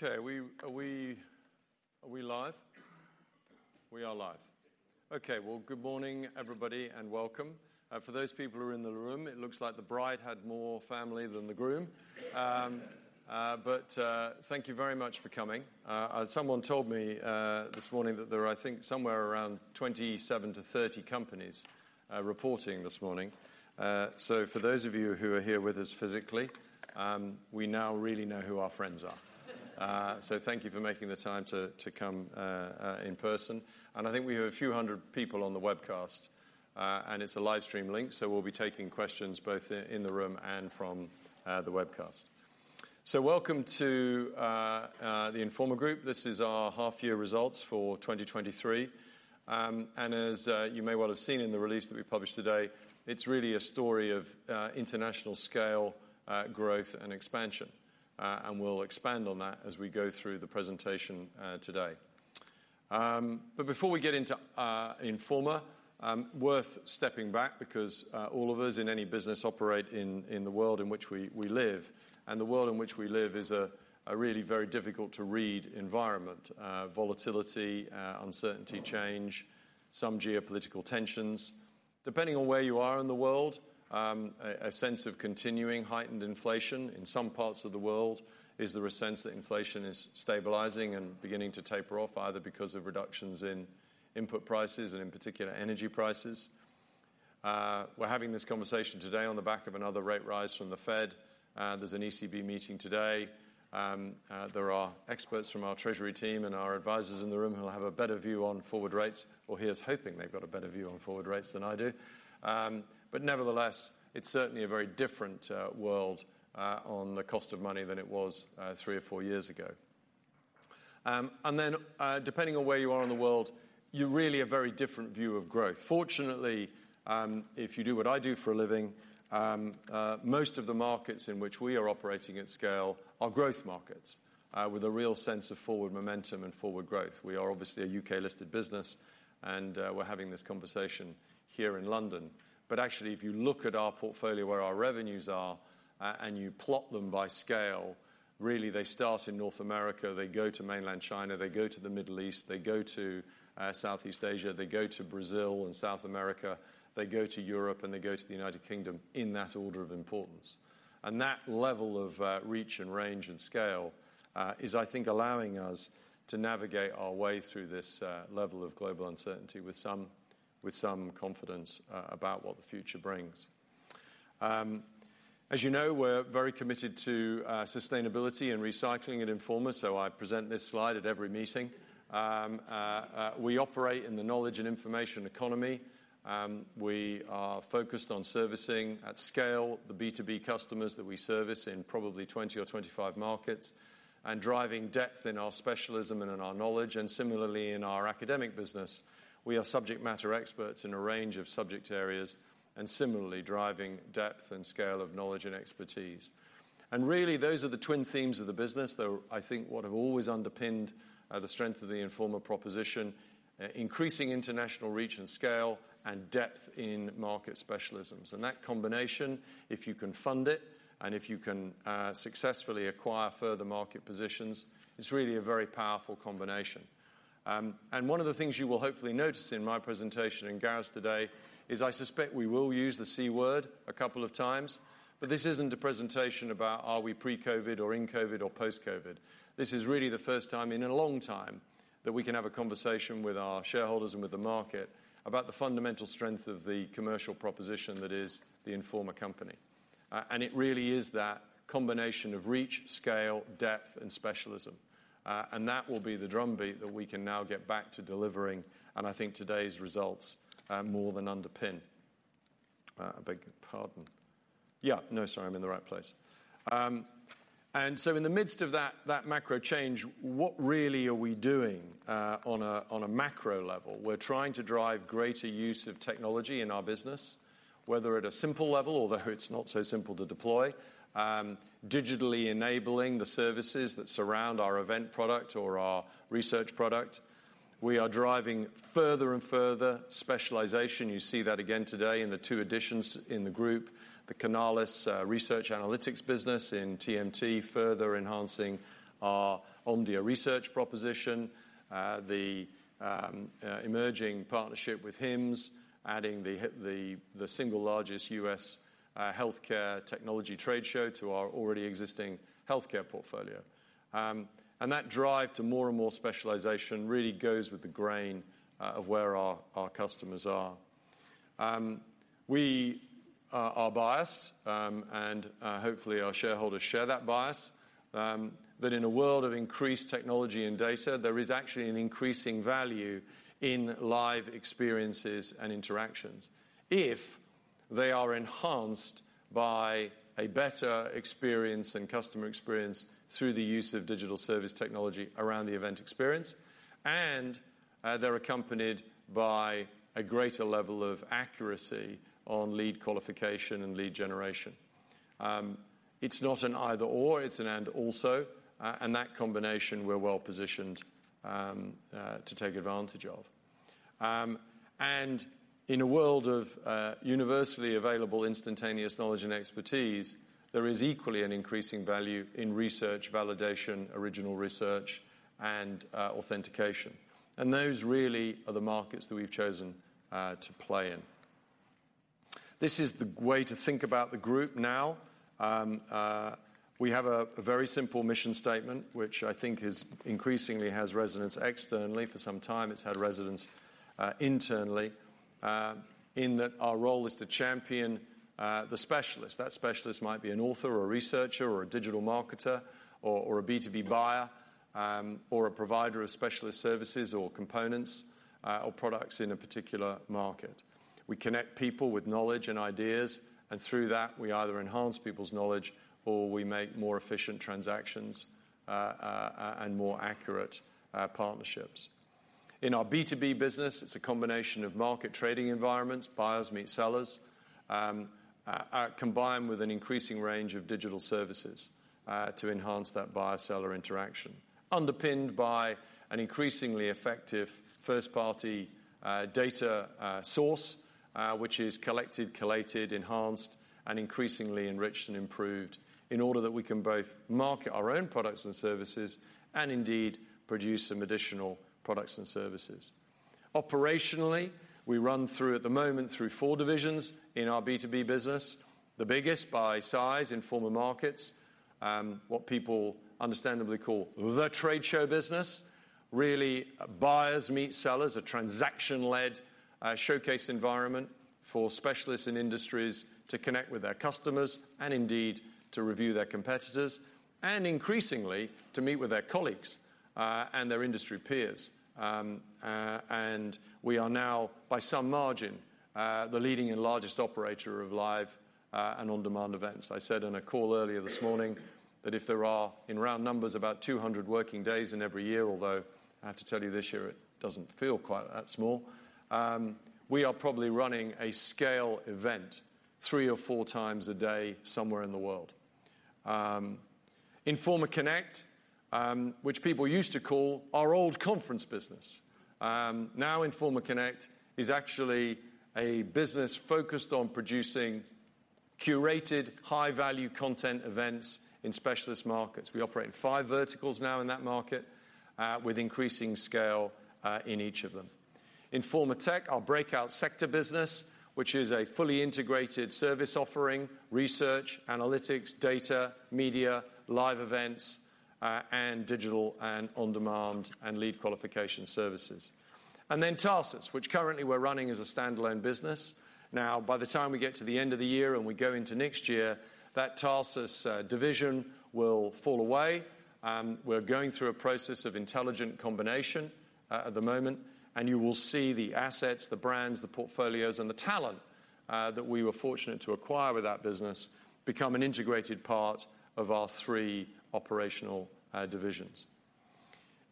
Okay, are we live? We are live. Well, good morning, everybody, and welcome. For those people who are in the room, it looks like the bride had more family than the groom. Thank you very much for coming. As someone told me this morning that there are, I think, somewhere around 27-30 companies reporting this morning. For those of you who are here with us physically, we now really know who our friends are. Thank you for making the time to come in person. I think we have a few hundred people on the webcast. It's a live stream link, we'll be taking questions both in the room and from the webcast. Welcome to the Informa Group. This is our half year results for 2023. As you may well have seen in the release that we published today, it's really a story of international scale, growth, and expansion. We'll expand on that as we go through the presentation today. Before we get into Informa, worth stepping back because all of us in any business operate in the world in which we live, and the world in which we live is a really very difficult-to-read environment. Volatility, uncertainty, change, some geopolitical tensions. Depending on where you are in the world, a sense of continuing heightened inflation. In some parts of the world, is there a sense that inflation is stabilizing and beginning to taper off, either because of reductions in input prices and, in particular, energy prices? We're having this conversation today on the back of another rate rise from the Fed. There's an ECB meeting today. There are experts from our treasury team and our advisors in the room who will have a better view on forward rates, or here's hoping they've got a better view on forward rates than I do. Nevertheless, it's certainly a very different world on the cost of money than it was three or four years ago. Depending on where you are in the world, you really have very different view of growth. Fortunately, if you do what I do for a living, most of the markets in which we are operating at scale are growth markets, with a real sense of forward momentum and forward growth. We are obviously a U.K.-listed business. We're having this conversation here in London. Actually, if you look at our portfolio, where our revenues are, and you plot them by scale, really, they start in North America, they go to Mainland China, they go to the Middle East, they go to Southeast Asia, they go to Brazil and South America, they go to Europe, and they go to the United Kingdom in that order of importance. That level of reach and range and scale is, I think, allowing us to navigate our way through this level of global uncertainty with some, with some confidence about what the future brings. As you know, we're very committed to sustainability and recycling at Informa. I present this slide at every meeting. We operate in the knowledge and information economy. We are focused on servicing at scale the B2B customers that we service in probably 20 or 25 markets, and driving depth in our specialism and in our knowledge. Similarly, in our academic business, we are subject matter experts in a range of subject areas, and similarly driving depth and scale of knowledge and expertise. Really, those are the twin themes of the business, they're, I think, what have always underpinned the strength of the Informa proposition: increasing international reach and scale and depth in market specialisms. That combination, if you can fund it, and if you can successfully acquire further market positions, it's really a very powerful combination. One of the things you will hopefully notice in my presentation and Gareth's today, is I suspect we will use the C word a couple of times, but this isn't a presentation about are we pre-COVID or in COVID or post-COVID. This is really the first time in a long time that we can have a conversation with our shareholders and with the market about the fundamental strength of the commercial proposition that is the Informa company. It really is that combination of reach, scale, depth, and specialism. That will be the drumbeat that we can now get back to delivering, and I think today's results, more than underpin. I beg your pardon. Yeah, no, sorry, I'm in the right place. In the midst of that macro change, what really are we doing on a macro level? We're trying to drive greater use of technology in our business, whether at a simple level, although it's not so simple to deploy, digitally enabling the services that surround our event product or our research product. We are driving further and further specialization. You see that again today in the two additions in the group, the Canalys research analytics business in TMT, further enhancing our Omdia research proposition. The emerging partnership with HIMSS, adding the single largest U.S. healthcare technology trade show to our already existing healthcare portfolio. That drive to more and more specialization really goes with the grain of where our customers are. We are biased, and hopefully, our shareholders share that bias, that in a world of increased technology and data, there is actually an increasing value in live experiences and interactions if they are enhanced by a better experience and customer experience through the use of digital service technology around the event experience, and they're accompanied by a greater level of accuracy on lead qualification and lead generation. It's not an either/or, it's an and/also, and that combination we're well positioned to take advantage of. In a world of universally available instantaneous knowledge and expertise, there is equally an increasing value in research, validation, original research, and authentication. Those really are the markets that we've chosen to play in. This is the way to think about the group now. We have a very simple mission statement, which I think is increasingly has resonance externally. For some time, it's had resonance internally, in that our role is to champion the specialist. That specialist might be an author, or a researcher, or a digital marketer, or a B2B buyer, or a provider of specialist services or components, or products in a particular market. We connect people with knowledge and ideas. Through that, we either enhance people's knowledge or we make more efficient transactions and more accurate partnerships. In our B2B business, it's a combination of market trading environments, buyers meet sellers, combined with an increasing range of digital services to enhance that buyer-seller interaction. Underpinned by an increasingly effective first-party data source which is collected, collated, enhanced, and increasingly enriched and improved in order that we can both market our own products and services, and indeed, produce some additional products and services. Operationally, we run through, at the moment, through four divisions in our B2B business. The biggest by size Informa Markets, what people understandably call the trade show business. Really, buyers meet sellers, a transaction-led showcase environment for specialists in industries to connect with their customers and indeed to review their competitors, and increasingly to meet with their colleagues and their industry peers. We are now, by some margin, the leading and largest operator of live and on-demand events. I said in a call earlier this morning, that if there are, in round numbers, about 200 working days in every year, although I have to tell you, this year it doesn't feel quite that small, we are probably running a scale event three or four times a day somewhere in the world. Informa Connect, which people used to call our old conference business. Now Informa Connect is actually a business focused on producing curated, high-value content events in specialist markets. We operate in five verticals now in that market, with increasing scale, in each of them. Informa Tech, our breakout sector business, which is a fully integrated service offering research, analytics, data, media, live events, and digital and on-demand and lead qualification services. Tarsus, which currently we're running as a standalone business. Now, by the time we get to the end of the year and we go into next year, that Tarsus division will fall away. We're going through a process of intelligent combination at the moment, and you will see the assets, the brands, the portfolios, and the talent that we were fortunate to acquire with that business become an integrated part of our three operational divisions.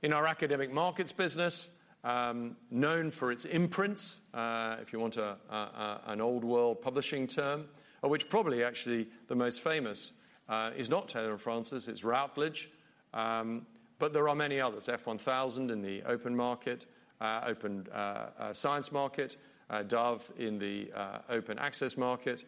In our academic markets business, known for its imprints, if you want, an old world publishing term, which probably actually the most famous, is not Taylor & Francis, it's Routledge. There are many others. F1000 in the open market, open science market, Dove in the open access market,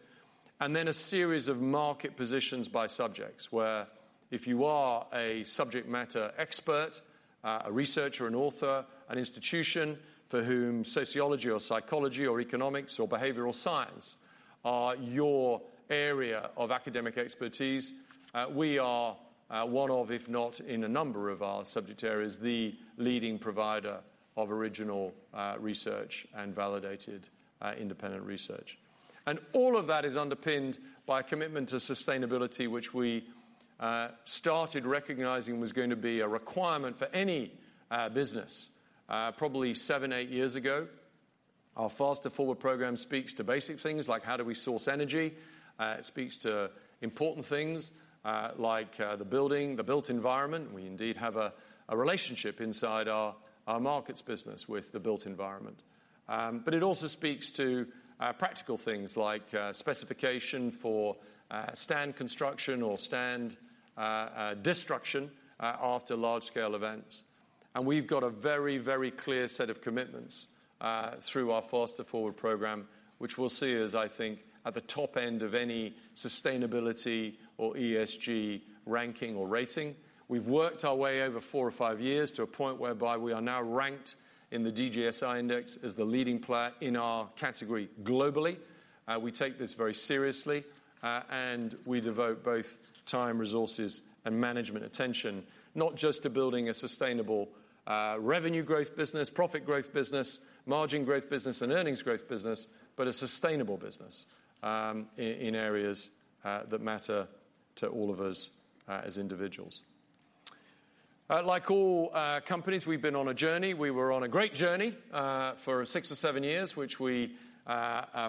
and then a series of market positions by subjects, where if you are a subject matter expert, a researcher, an author, an institution for whom sociology or psychology or economics or behavioral science are your area of academic expertise, we are one of, if not in a number of our subject areas, the leading provider of original research and validated independent research. All of that is underpinned by a commitment to sustainability, which we started recognizing was going to be a requirement for any business, probably seven, eight years ago. Our FasterForward program speaks to basic things like how do we source energy? It speaks to important things like the building, the built environment. We indeed have a relationship inside our markets business with the built environment. It also speaks to practical things like specification for stand construction or stand destruction after large-scale events. We've got a very clear set of commitments through our FasterForward program, which we'll see as I think, at the top end of any sustainability or ESG ranking or rating. We've worked our way over four or five years to a point whereby we are now ranked in the DJSI index as the leading player in our category globally. We take this very seriously, and we devote both time, resources, and management attention, not just to building a sustainable revenue growth business, profit growth business, margin growth business, and earnings growth business, but a sustainable business in areas that matter to all of us as individuals. Like all companies, we've been on a journey. We were on a great journey for six or seven years, which we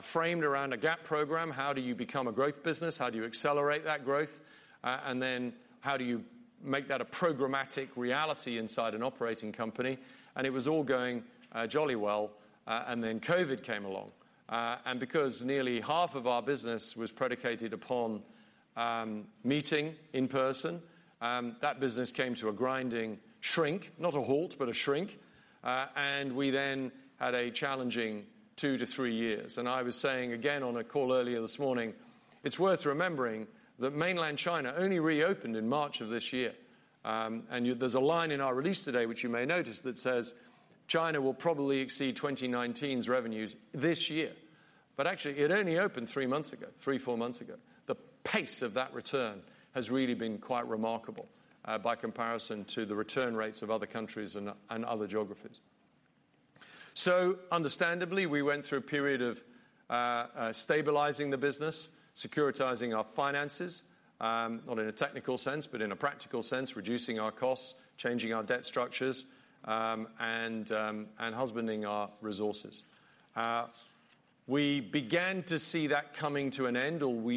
framed around a GAP program. How do you become a growth business? How do you accelerate that growth? How do you make that a programmatic reality inside an operating company? It was all going jolly well, COVID came along. Because nearly half of our business was predicated upon meeting in person, that business came to a grinding-... shrink, not a halt, but a shrink. We then had a challenging two to three years. I was saying again on a call earlier this morning, it's worth remembering that mainland China only reopened in March of this year. There's a line in our release today, which you may notice, that says, "China will probably exceed 2019's revenues this year." Actually, it only opened three months ago, three, four months ago. The pace of that return has really been quite remarkable, by comparison to the return rates of other countries and other geographies. Understandably, we went through a period of stabilizing the business, securitizing our finances, not in a technical sense, but in a practical sense, reducing our costs, changing our debt structures, and husbanding our resources. We began to see that coming to an end, or we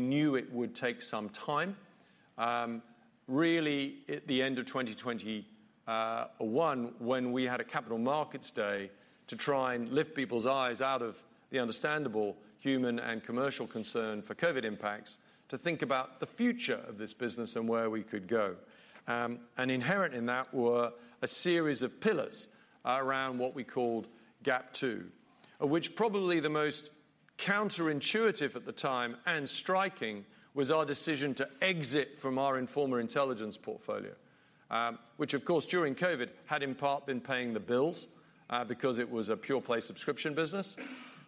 knew it would take some time, really at the end of 2021, when we had a capital markets day to try and lift people's eyes out of the understandable human and commercial concern for COVID impacts, to think about the future of this business and where we could go. Inherent in that were a series of pillars around what we called GAP 2, of which probably the most counterintuitive at the time, and striking, was our decision to exit from our Informa Intelligence portfolio. Which of course, during COVID, had in part been paying the bills, because it was a pure-play subscription business.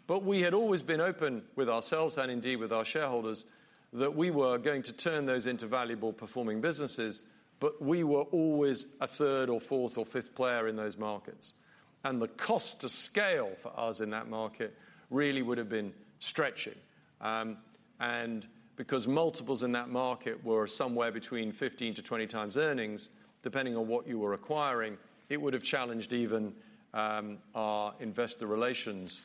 We had always been open with ourselves and indeed with our shareholders, that we were going to turn those into valuable performing businesses, but we were always a third or fourth or fifth player in those markets. The cost to scale for us in that market really would have been stretching. And because multiples in that market were somewhere between 15-20 times earnings, depending on what you were acquiring, it would have challenged even our investor relations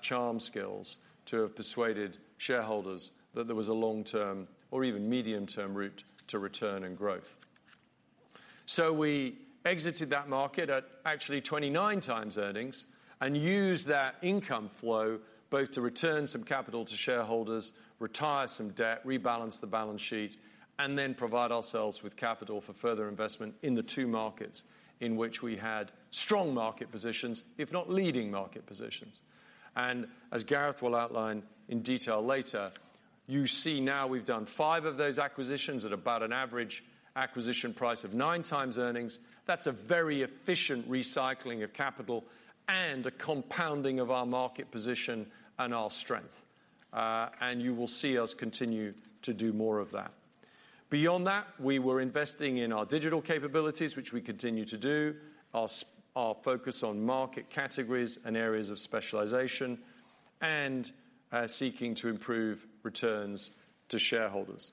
charm skills to have persuaded shareholders that there was a long-term or even medium-term route to return and growth. We exited that market at actually 29 times earnings and used that income flow both to return some capital to shareholders, retire some debt, rebalance the balance sheet, and then provide ourselves with capital for further investment in the two markets in which we had strong market positions, if not leading market positions. As Gareth will outline in detail later, you see now we've done 5 of those acquisitions at about an average acquisition price of 9 times earnings. That's a very efficient recycling of capital and a compounding of our market position and our strength. You will see us continue to do more of that. Beyond that, we were investing in our digital capabilities, which we continue to do, our focus on market categories and areas of specialization, and seeking to improve returns to shareholders.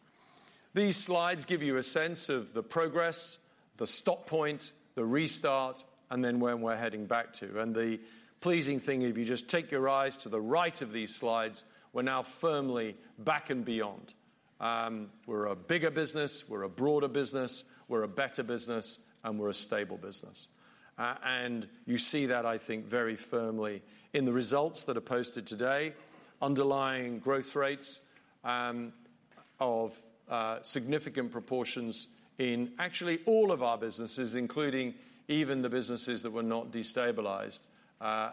These slides give you a sense of the progress, the stop point, the restart, and then where we're heading back to. The pleasing thing, if you just take your eyes to the right of these slides, we're now firmly back and beyond. We're a bigger business, we're a broader business, we're a better business, and we're a stable business. You see that, I think, very firmly in the results that are posted today. Underlying growth rates of significant proportions in actually all of our businesses, including even the businesses that were not destabilized,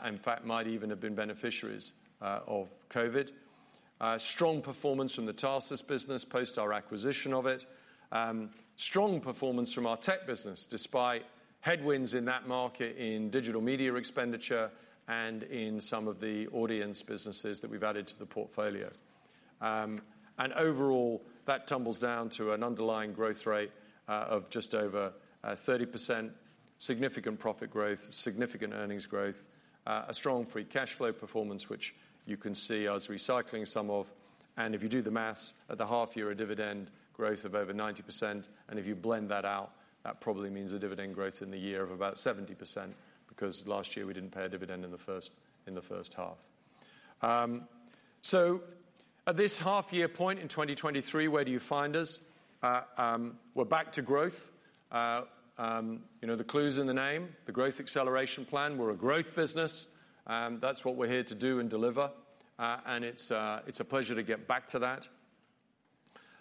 in fact, might even have been beneficiaries of COVID. Strong performance from the Tarsus business, post our acquisition of it. Strong performance from our tech business, despite headwinds in that market, in digital media expenditure and in some of the audience businesses that we've added to the portfolio. Overall, that tumbles down to an underlying growth rate of just over 30%, significant profit growth, significant earnings growth, a strong free cash flow performance, which you can see us recycling some of. If you do the math, at the half year, a dividend growth of over 90%, and if you blend that out, that probably means a dividend growth in the year of about 70%, because last year we didn't pay a dividend in the first half. At this half year point in 2023, where do you find us? We're back to growth. You know, the clue's in the name, the growth acceleration plan. We're a growth business, and that's what we're here to do and deliver, and it's a pleasure to get back to that.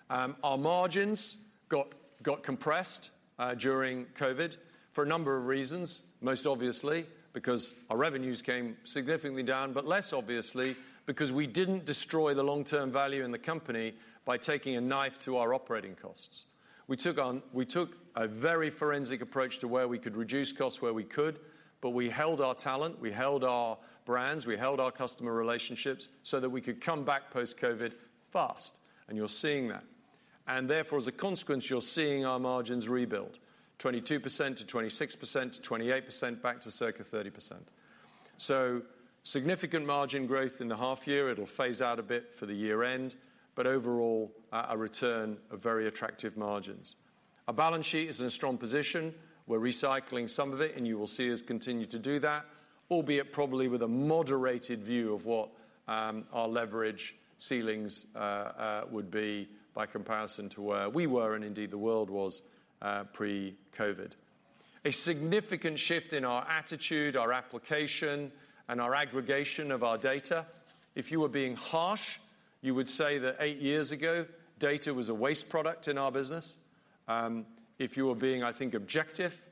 Our margins got compressed during COVID for a number of reasons. Most obviously, because our revenues came significantly down, but less obviously, because we didn't destroy the long-term value in the company by taking a knife to our operating costs. We took a very forensic approach to where we could reduce costs, where we could, but we held our talent, we held our brands, we held our customer relationships so that we could come back post-COVID fast, and you're seeing that. Therefore, as a consequence, you're seeing our margins rebuild: 22% to 26% to 28% back to circa 30%. Significant margin growth in the half year. It'll phase out a bit for the year end, but overall, a return of very attractive margins. Our balance sheet is in a strong position. We're recycling some of it, and you will see us continue to do that, albeit probably with a moderated view of what our leverage ceilings would be by comparison to where we were and indeed the world was pre-COVID. A significant shift in our attitude, our application, and our aggregation of our data. If you were being harsh, you would say that eight years ago, data was a waste product in our business. If you were being, I think, objective,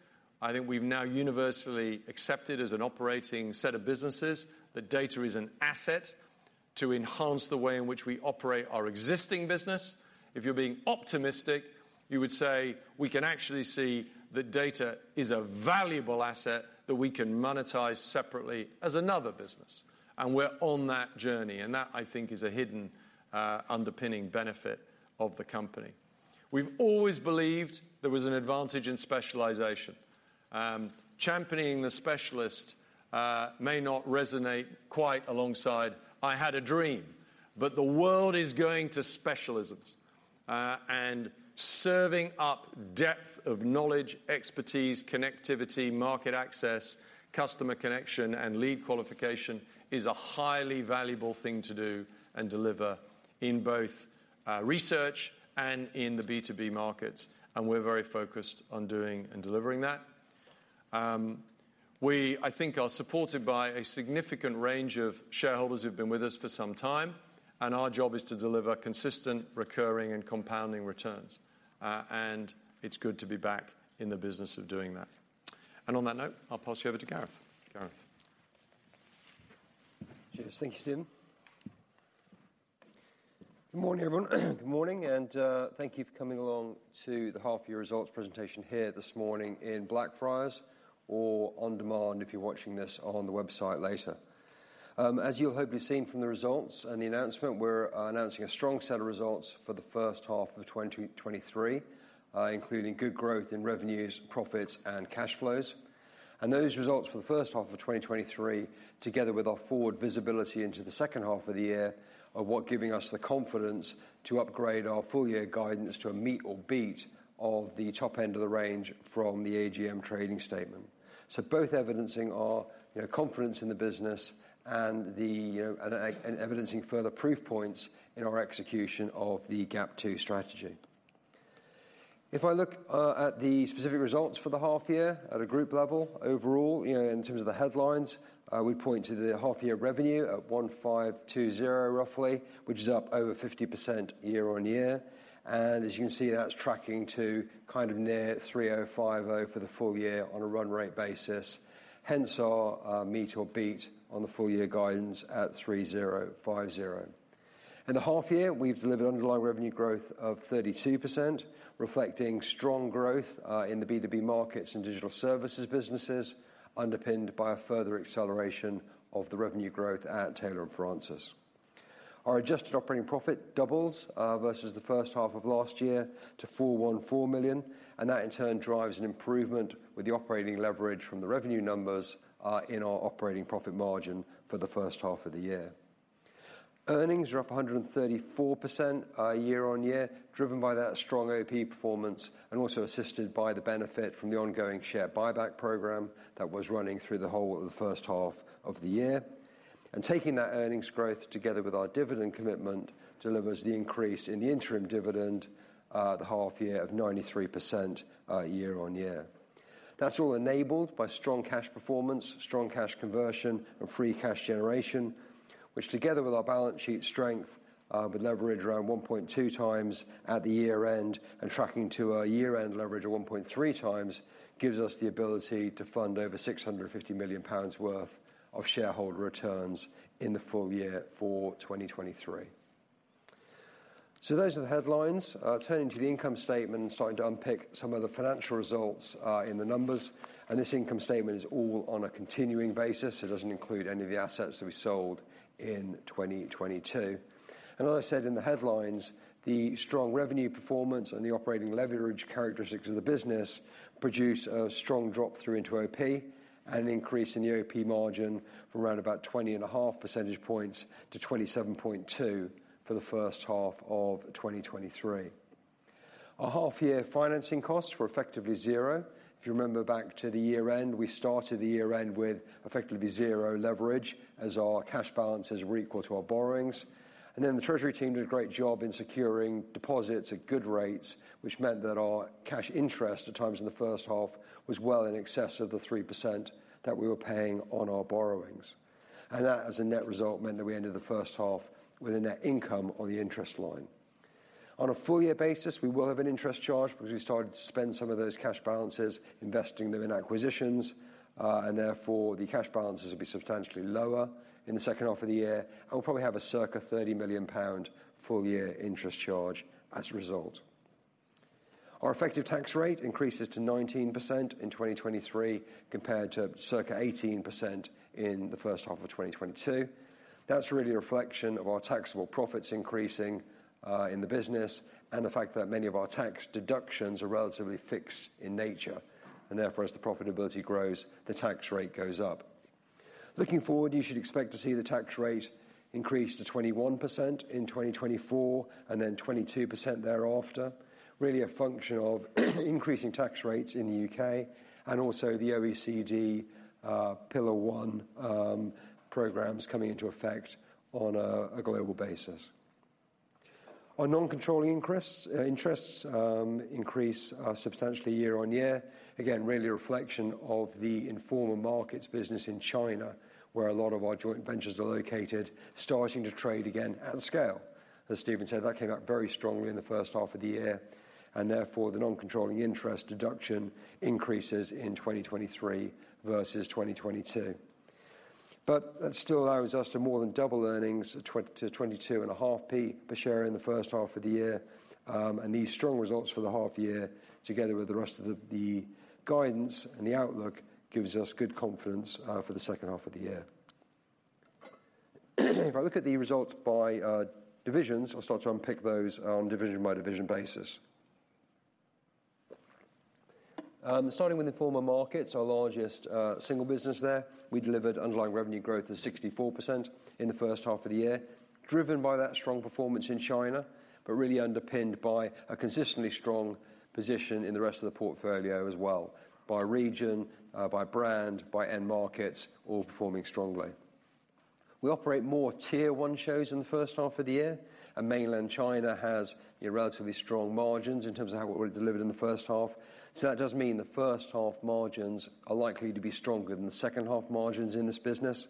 I think we've now universally accepted as an operating set of businesses, that data is an asset to enhance the way in which we operate our existing business. If you're being optimistic, you would say we can actually see that data is a valuable asset that we can monetize separately as another business, and we're on that journey, and that, I think, is a hidden underpinning benefit of the company. We've always believed there was an advantage in specialization. Championing the specialist, may not resonate quite alongside, "I Had a Dream," but the world is going to specialisms. Serving up depth of knowledge, expertise, connectivity, market access, customer connection, and lead qualification is a highly valuable thing to do and deliver in both research and in the B2B markets, and we're very focused on doing and delivering that. We, I think, are supported by a significant range of shareholders who've been with us for some time, and our job is to deliver consistent, recurring, and compounding returns. It's good to be back in the business of doing that. On that note, I'll pass you over to Gareth. Gareth? Cheers. Thank you, Stephen. Good morning, everyone. Good morning. Thank you for coming along to the half year results presentation here this morning in Blackfriars or on demand if you're watching this on the website later. As you'll hopefully have seen from the results and the announcement, we're announcing a strong set of results for the first half of 2023, including good growth in revenues, profits, and cash flows. Those results for the first half of 2023, together with our forward visibility into the second half of the year, are what giving us the confidence to upgrade our full year guidance to a meet or beat of the top end of the range from the AGM trading statement. Both evidencing our, you know, confidence in the business and the, and evidencing further proof points in our execution of the GAP 2 strategy. If I look at the specific results for the half year at a group level, overall, you know, in terms of the headlines, we'd point to the half year revenue at 1,520, roughly, which is up over 50% year-on-year. As you can see, that's tracking to kind of near 3,050 for the full year on a run rate basis, hence our meet or beat on the full year guidance at 3,050. In the half year, we've delivered underlying revenue growth of 32%, reflecting strong growth in the B2B markets and digital services businesses, underpinned by a further acceleration of the revenue growth at Taylor & Francis. Our adjusted operating profit doubles versus the first half of last year to 414 million, that in turn, drives an improvement with the operating leverage from the revenue numbers in our operating profit margin for the first half of the year. Earnings are up 134% year-on-year, driven by that strong OP performance and also assisted by the benefit from the ongoing share buyback program that was running through the whole of the first half of the year. Taking that earnings growth together with our dividend commitment, delivers the increase in the interim dividend, the half year of 93% year-on-year. That's all enabled by strong cash performance, strong cash conversion and free cash generation, which together with our balance sheet strength, with leverage around 1.2x at the year-end and tracking to a year-end leverage of 1.3x, gives us the ability to fund over 650 million pounds worth of shareholder returns in the full year for 2023. Those are the headlines. Turning to the income statement and starting to unpick some of the financial results in the numbers, this income statement is all on a continuing basis. It doesn't include any of the assets that we sold in 2022. As I said in the headlines, the strong revenue performance and the operating leverage characteristics of the business produce a strong drop through into OP and an increase in the OP margin from around about 20.5 percentage points to 27.2 for the first half of 2023. Our half year financing costs were effectively zero. If you remember back to the year end, we started the year end with effectively 0 leverage as our cash balances were equal to our borrowings. Then the treasury team did a great job in securing deposits at good rates, which meant that our cash interest at times in the first half, was well in excess of the 3% that we were paying on our borrowings. That, as a net result, meant that we ended the first half with a net income on the interest line. On a full year basis, we will have an interest charge because we started to spend some of those cash balances, investing them in acquisitions, therefore, the cash balances will be substantially lower in the second half of the year and we'll probably have a circa 30 million pound full year interest charge as a result. Our effective tax rate increases to 19% in 2023, compared to circa 18% in the first half of 2022. That's really a reflection of our taxable profits increasing in the business and the fact that many of our tax deductions are relatively fixed in nature, therefore, as the profitability grows, the tax rate goes up. Looking forward, you should expect to see the tax rate increase to 21% in 2024, then 22% thereafter. Really a function of increasing tax rates in the U.K. and also the OECD Pillar One programs coming into effect on a global basis. Our non-controlling interests increase substantially year-on-year. Again, really a reflection of the Informa Markets business in China, where a lot of our joint ventures are located, starting to trade again at scale. As Steve said, that came out very strongly in the first half of the year, and therefore, the non-controlling interest deduction increases in 2023 versus 2022. That still allows us to more than double earnings to 22.5p per share in the first half of the year. These strong results for the half year, together with the rest of the guidance and the outlook, gives us good confidence for the second half of the year. If I look at the results by divisions, I'll start to unpick those on division by division basis. Starting with Informa Markets, our largest single business there, we delivered underlying revenue growth of 64% in the first half of the year, driven by that strong performance in China, but really underpinned by a consistently strong position in the rest of the portfolio as well, by region, by brand, by end markets, all performing strongly. We operate more Tier One shows in the first half of the year. Mainland China has a relatively strong margins in terms of how we're delivered in the first half. That does mean the first half margins are likely to be stronger than the second half margins in this business.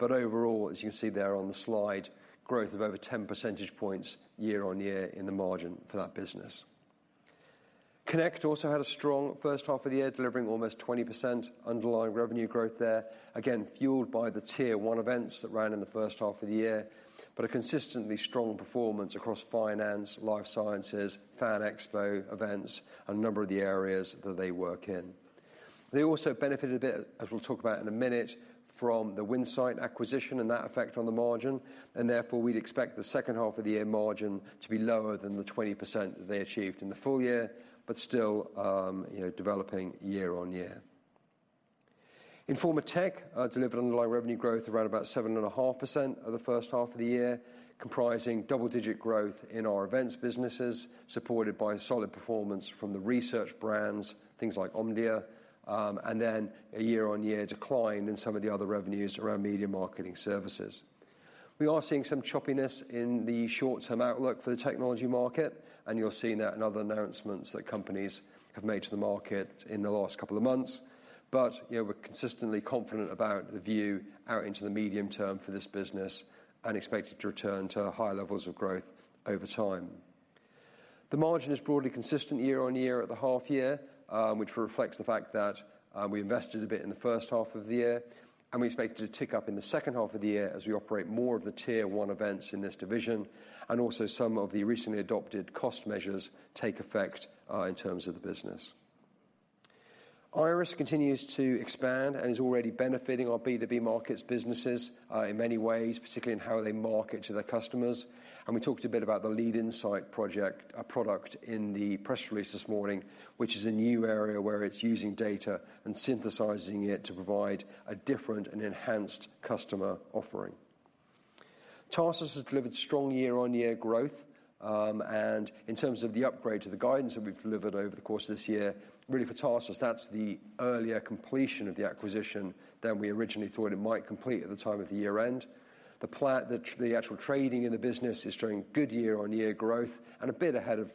Overall, as you can see there on the slide, growth of over 10 percentage points year-on-year in the margin for that business. Connect also had a strong first half of the year, delivering almost 20% underlying revenue growth there. Again, fueled by the Tier One events that ran in the first half of the year, but a consistently strong performance across finance, life sciences, FAN EXPO events, a number of the areas that they work in. They also benefited a bit, as we'll talk about in a minute, from the Winsight acquisition and that effect on the margin, and therefore, we'd expect the second half of the year margin to be lower than the 20% that they achieved in the full year, but still, you know, developing year-on-year. Informa Tech delivered underlying revenue growth around about 7.5% of the first half of the year, comprising double-digit growth in our events businesses, supported by solid performance from the research brands, things like Omdia, and then a year-on-year decline in some of the other revenues around media marketing services. We are seeing some choppiness in the short-term outlook for the technology market. You're seeing that in other announcements that companies have made to the market in the last couple of months. You know, we're consistently confident about the view out into the medium term for this business and expected to return to higher levels of growth over time. The margin is broadly consistent year-on-year at the half year, which reflects the fact that we invested a bit in the first half of the year, and we expect it to tick up in the second half of the year as we operate more of the Tier One events in this division, and also some of the recently adopted cost measures take effect in terms of the business. IIRIS continues to expand and is already benefiting our B2B markets businesses in many ways, particularly in how they market to their customers. We talked a bit about the Lead Insights project, product in the press release this morning, which is a new area where it's using data and synthesizing it to provide a different and enhanced customer offering. Tarsus has delivered strong year-on-year growth, and in terms of the upgrade to the guidance that we've delivered over the course of this year, really for Tarsus, that's the earlier completion of the acquisition than we originally thought it might complete at the time of the year end. The actual trading in the business is showing good year-on-year growth and a bit ahead of,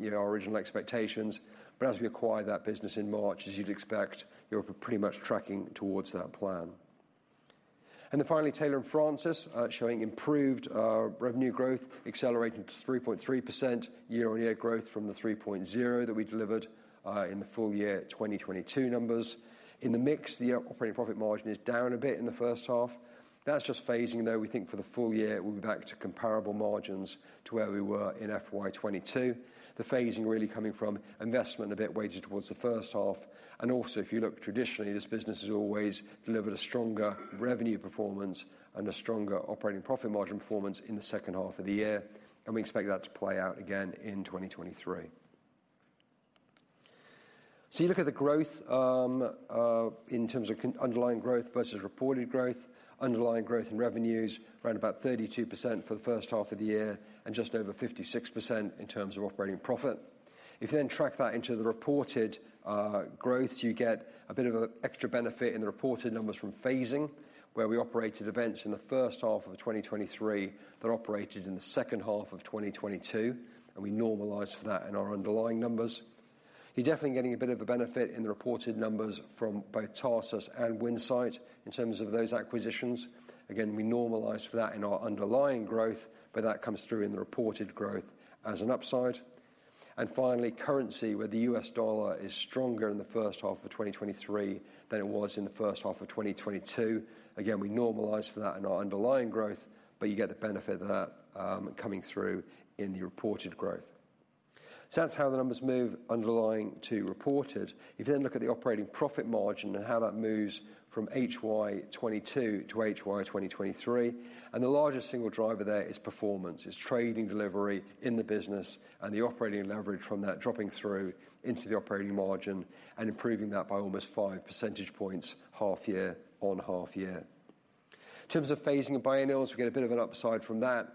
you know, our original expectations. As we acquired that business in March, as you'd expect, you're pretty much tracking towards that plan. Finally, Taylor & Francis, showing improved revenue growth, accelerating to 3.3% year-on-year growth from the 3.0% that we delivered in the full year 2022 numbers. In the mix, the operating profit margin is down a bit in the first half. That's just phasing, though. We think for the full year, we'll be back to comparable margins to where we were in FY 22. The phasing really coming from investment, a bit weighted towards the first half. Also, if you look traditionally, this business has always delivered a stronger revenue performance and a stronger operating profit margin performance in the second half of the year, and we expect that to play out again in 2023. You look at the growth in terms of underlying growth versus reported growth. Underlying growth in revenues around about 32% for the first half of the year and just over 56% in terms of operating profit. You then track that into the reported growth, you get a bit of an extra benefit in the reported numbers from phasing, where we operated events in the first half of 2023 that operated in the second half of 2022, and we normalized for that in our underlying numbers. You're definitely getting a bit of a benefit in the reported numbers from both Tarsus and Winsight in terms of those acquisitions. Again, we normalize for that in our underlying growth, but that comes through in the reported growth as an upside. Finally, currency, where the US dollar is stronger in the first half of 2023 than it was in the first half of 2022. We normalize for that in our underlying growth, but you get the benefit of that coming through in the reported growth. That's how the numbers move underlying to reported. You look at the operating profit margin and how that moves from HY 22 to HY 2023, the largest single driver there is performance, is trading delivery in the business and the operating leverage from that dropping through into the operating margin and improving that by almost 5 percentage points half year on half year. In terms of phasing of biennials, we get a bit of an upside from that,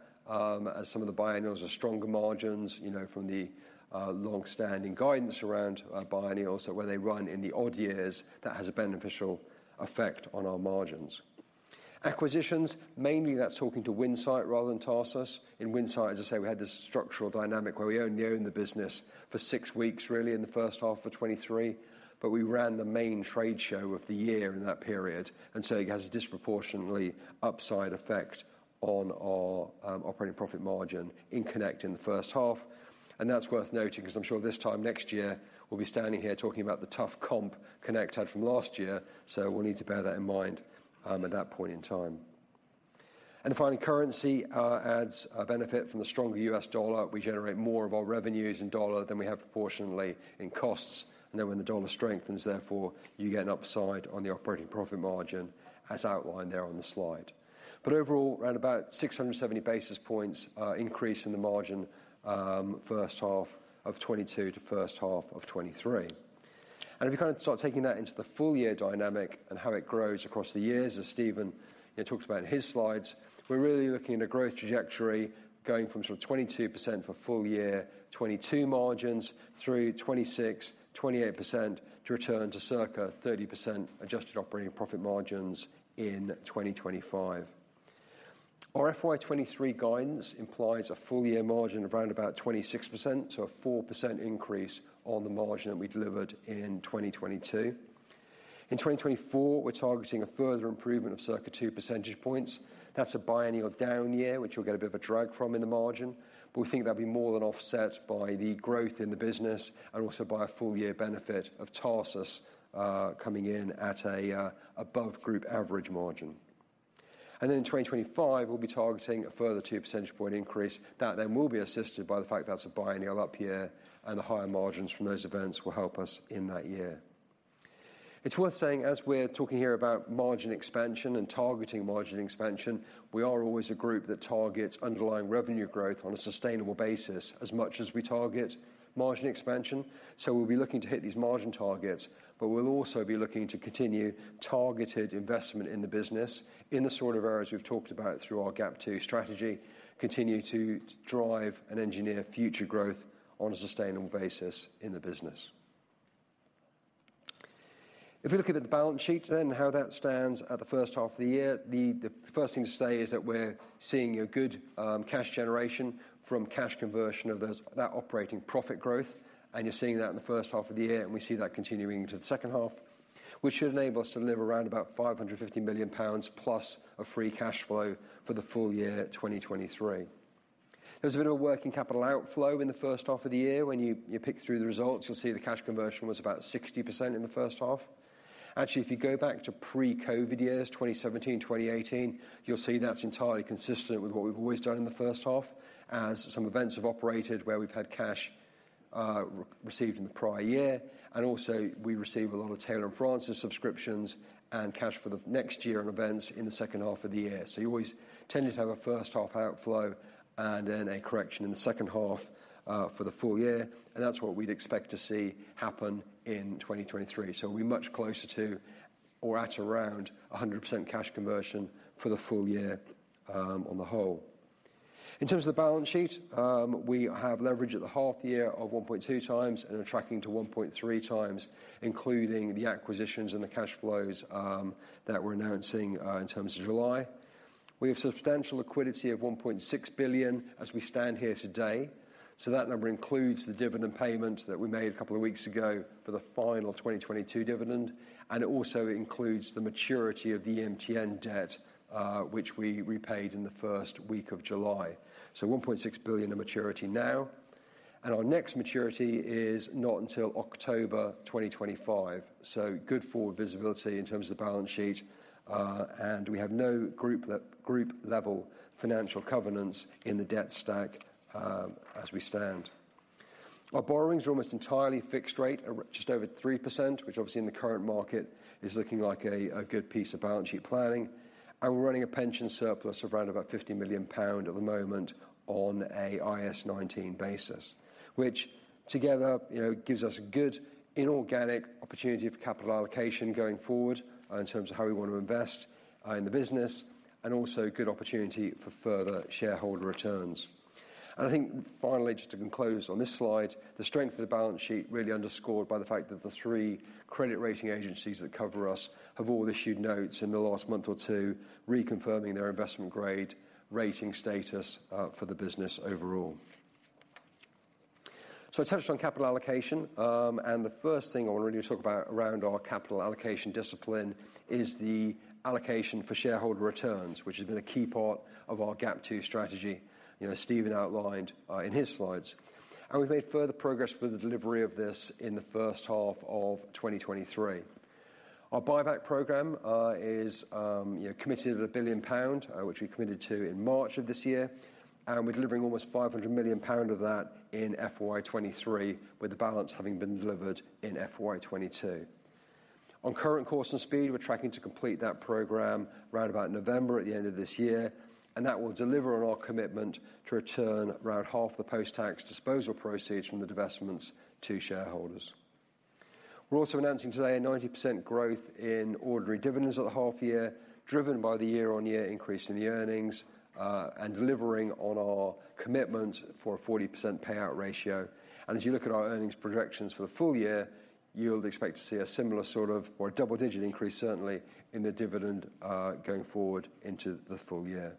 as some of the biennials are stronger margins, you know, from the long-standing guidance around biennials, so where they run in the odd years, that has a beneficial effect on our margins. Acquisitions, mainly that's talking to Winsight rather than Tarsus. In Winsight, as I say, we had this structural dynamic where we only owned the business for six weeks, really, in the first half of 2023. We ran the main trade show of the year in that period, so it has a disproportionately upside effect on our operating profit margin in Connect in the first half. That's worth noting, because I'm sure this time next year, we'll be standing here talking about the tough comp Connect had from last year, we'll need to bear that in mind at that point in time. Finally, currency adds a benefit from the stronger US dollar. We generate more of our revenues in dollar than we have proportionately in costs, when the dollar strengthens, therefore, you get an upside on the operating profit margin as outlined there on the slide. Overall, around 670 basis points increase in the margin, first half of 2022 to first half of 2023. If you kind of start taking that into the full year dynamic and how it grows across the years, as Stephen, you know, talked about in his slides, we're really looking at a growth trajectory going from sort of 22% for full year 2022 margins through 26%-28% to return to circa 30% adjusted operating profit margins in 2025. Our FY 2023 guidance implies a full year margin of around 26%, so a 4% increase on the margin that we delivered in 2022. In 2024, we're targeting a further improvement of circa 2 percentage points. That's a biennial down year, which we'll get a bit of a drag from in the margin, but we think that'll be more than offset by the growth in the business and also by a full year benefit of Tarsus coming in at a above group average margin. In 2025, we'll be targeting a further 2 percentage point increase. That will be assisted by the fact that's a biennial up year, and the higher margins from those events will help us in that year. It's worth saying, as we're talking here about margin expansion and targeting margin expansion, we are always a group that targets underlying revenue growth on a sustainable basis as much as we target margin expansion. We'll be looking to hit these margin targets, we'll also be looking to continue targeted investment in the business in the sort of areas we've talked about through our GAP 2 strategy, continue to drive and engineer future growth on a sustainable basis in the business. You look at the balance sheet, how that stands at the first half of the year, the first thing to say is that we're seeing a good cash generation from cash conversion of that operating profit growth, you're seeing that in the first half of the year, we see that continuing to the second half, which should enable us to deliver around about 550 million pounds plus of free cash flow for the full year 2023. There's a bit of a working capital outflow in the first half of the year. When you pick through the results, you'll see the cash conversion was about 60% in the first half. Actually, if you go back to pre-COVID years, 2017, 2018, you'll see that's entirely consistent with what we've always done in the first half, as some events have operated where we've had cash received in the prior year. Also, we receive a lot of Taylor & Francis subscriptions and cash for the next year on events in the second half of the year. You always tended to have a first half outflow and then a correction in the second half for the full year, and that's what we'd expect to see happen in 2023. We're much closer to or at around 100% cash conversion for the full year on the whole. In terms of the balance sheet, we have leverage at the half year of 1.2x and are tracking to 1.3x, including the acquisitions and the cash flows that we're announcing in terms of July. We have substantial liquidity of 1.6 billion as we stand here today, so that number includes the dividend payment that we made a couple of weeks ago for the final 2022 dividend, and it also includes the maturity of the MTN debt, which we repaid in the first week of July. 1.6 billion in maturity now, and our next maturity is not until October 2025. Good forward visibility in terms of the balance sheet, and we have no group level financial covenants in the debt stack, as we stand. Our borrowings are almost entirely fixed rate, at just over 3%, which obviously in the current market is looking like a good piece of balance sheet planning. We're running a pension surplus of around about 50 million pound at the moment on a IAS 19 basis, which together, you know, gives us good inorganic opportunity for capital allocation going forward, in terms of how we want to invest in the business, and also good opportunity for further shareholder returns. I think finally, just to conclude on this slide, the strength of the balance sheet really underscored by the fact that the three credit rating agencies that cover us have all issued notes in the last month or two, reconfirming their investment grade rating status for the business overall. I touched on capital allocation, and the first thing I want to really talk about around our capital allocation discipline is the allocation for shareholder returns, which has been a key part of our GAP 2 strategy, you know, Stephen outlined in his slides, and we've made further progress with the delivery of this in the first half of 2023. Our buyback program is, you know, committed 1 billion pound, which we committed to in March of this year, and we're delivering almost 500 million pound of that in FY 2023, with the balance having been delivered in FY 2022. On current course and speed, we're tracking to complete that program right about November at the end of this year, and that will deliver on our commitment to return around half the post-tax disposal proceeds from the divestments to shareholders. We're also announcing today a 90% growth in ordinary dividends at the half year, driven by the year-on-year increase in the earnings, and delivering on our commitment for a 40% payout ratio. As you look at our earnings projections for the full year, you'll expect to see a similar sort of or a double-digit increase, certainly, in the dividend, going forward into the full year.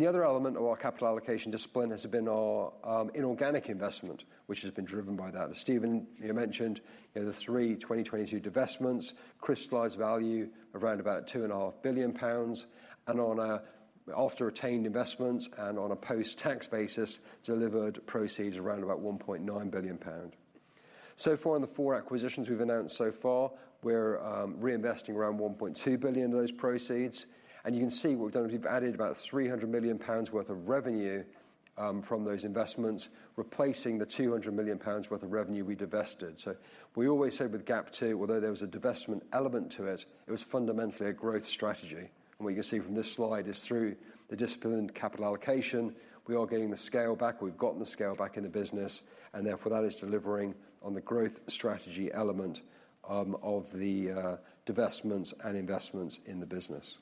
The other element of our capital allocation discipline has been our inorganic investment, which has been driven by that. As Stephen, you mentioned, you know, the three 2022 divestments, crystallized value around about two and a half billion pounds, and on a after-retained investments and on a post-tax basis, delivered proceeds around about 1.9 billion pound. On the four acquisitions we've announced so far, we're reinvesting around 1.2 billion of those proceeds. You can see we've added about 300 million pounds worth of revenue from those investments, replacing the 200 million pounds worth of revenue we divested. We always said with GAP 2, although there was a divestment element to it was fundamentally a growth strategy. What you can see from this slide is through the disciplined capital allocation, we are getting the scale back. We've gotten the scale back in the business, and therefore, that is delivering on the growth strategy element of the divestments and investments in the business.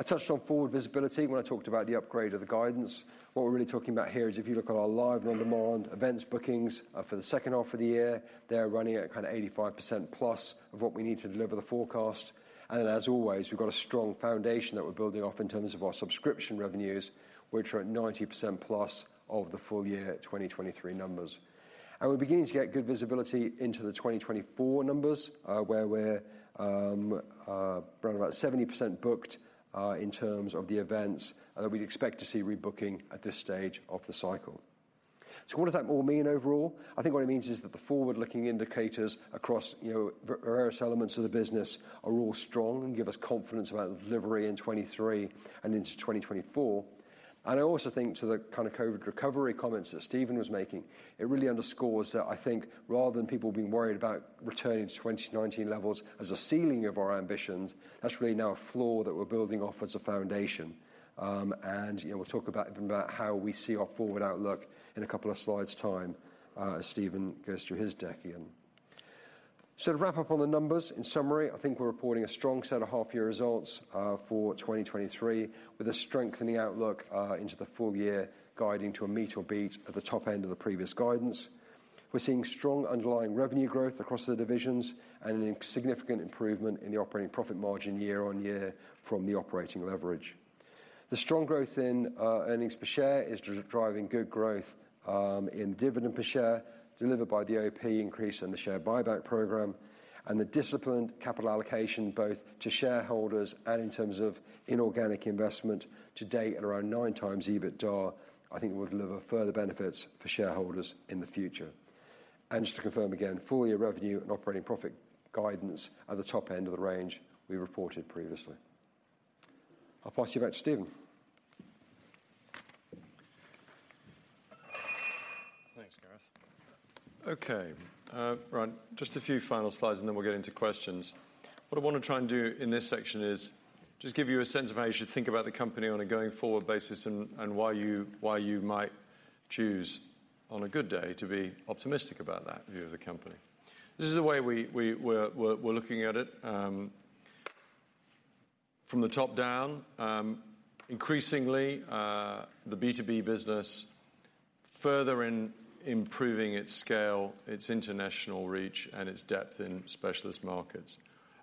I touched on forward visibility when I talked about the upgrade of the guidance. What we're really talking about here is if you look at our live and on-demand events, bookings for the second half of the year, they're running at kinda 85%+ of what we need to deliver the forecast. As always, we've got a strong foundation that we're building off in terms of our subscription revenues, which are at 90%+ of the full year 2023 numbers. We're beginning to get good visibility into the 2024 numbers, where we're around about 70% booked in terms of the events that we'd expect to see rebooking at this stage of the cycle. What does that all mean overall? I think what it means is that the forward-looking indicators across, you know, various elements of the business are all strong and give us confidence about delivery in 2023 and into 2024. I also think to the kind of COVID recovery comments that Stephen was making, it really underscores that I think rather than people being worried about returning to 2019 levels as a ceiling of our ambitions, that's really now a floor that we're building off as a foundation. You know, we'll talk about how we see our forward outlook in a couple of slides time as Stephen goes through his deck again. To wrap up on the numbers, in summary, I think we're reporting a strong set of half-year results for 2023, with a strengthening outlook into the full year, guiding to a meet or beat at the top end of the previous guidance. We're seeing strong underlying revenue growth across the divisions and a significant improvement in the operating profit margin year on year from the operating leverage. The strong growth in earnings per share is driving good growth in dividend per share, delivered by the OP increase and the share buyback program, and the disciplined capital allocation, both to shareholders and in terms of inorganic investment to date, at around 9x EBITDA, I think will deliver further benefits for shareholders in the future. Just to confirm again, full-year revenue and operating profit guidance at the top end of the range we reported previously. I'll pass you back to Stephen. Thanks, Gareth. Okay, right. Just a few final slides, and then we'll get into questions. What I wanna try and do in this section is just give you a sense of how you should think about the company on a going-forward basis and why you might choose, on a good day, to be optimistic about that view of the company. This is the way we're looking at it from the top down. Increasingly, the B2B business, further improving its scale, its international reach, and its depth in specialist markets.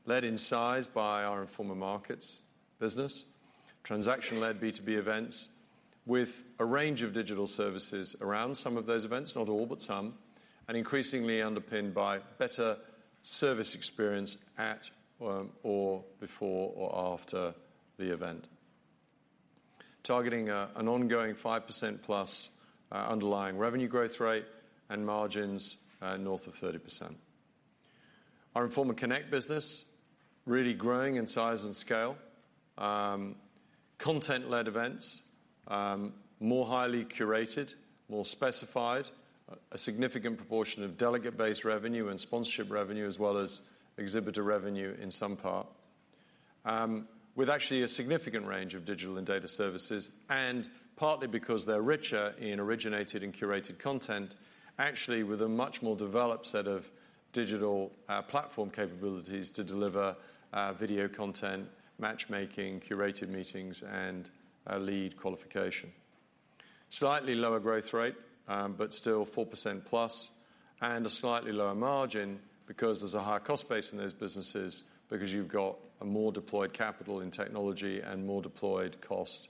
Led in size by our Informa Markets business, transaction-led B2B events with a range of digital services around some of those events, not all, but some, and increasingly underpinned by better service experience at or before or after the event. Targeting an ongoing 5%+ underlying revenue growth rate and margins north of 30%. Our Informa Connect business, really growing in size and scale. Content-led events, more highly curated, more specified, a significant proportion of delegate-based revenue and sponsorship revenue, as well as exhibitor revenue in some part. With actually a significant range of digital and data services, and partly because they're richer in originated and curated content, actually, with a much more developed set of digital platform capabilities to deliver video content, matchmaking, curated meetings, and lead qualification. Slightly lower growth rate, but still 4% plus, and a slightly lower margin because there's a higher cost base in those businesses, because you've got a more deployed capital in technology and more deployed cost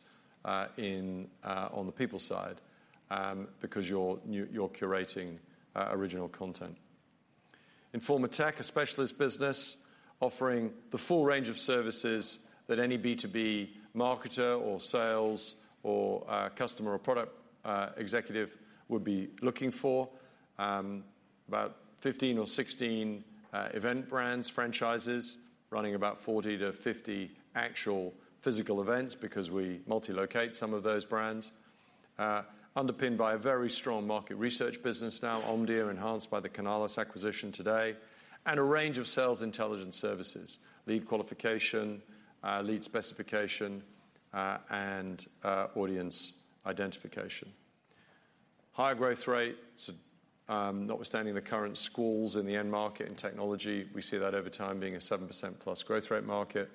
on the people side, because you're curating original content. Informa Tech, a specialist business offering the full range of services that any B2B marketer or sales or customer or product executive would be looking for. About 15 or 16 event brands, franchises, running about 40 to 50 actual physical events, because we multi-locate some of those brands. Underpinned by a very strong market research business now, Omdia, enhanced by the Canalys acquisition today, and a range of sales intelligence services, lead qualification, lead specification, and audience identification. Higher growth rates, notwithstanding the current schools in the end market and technology, we see that over time being a 7%+ growth rate market,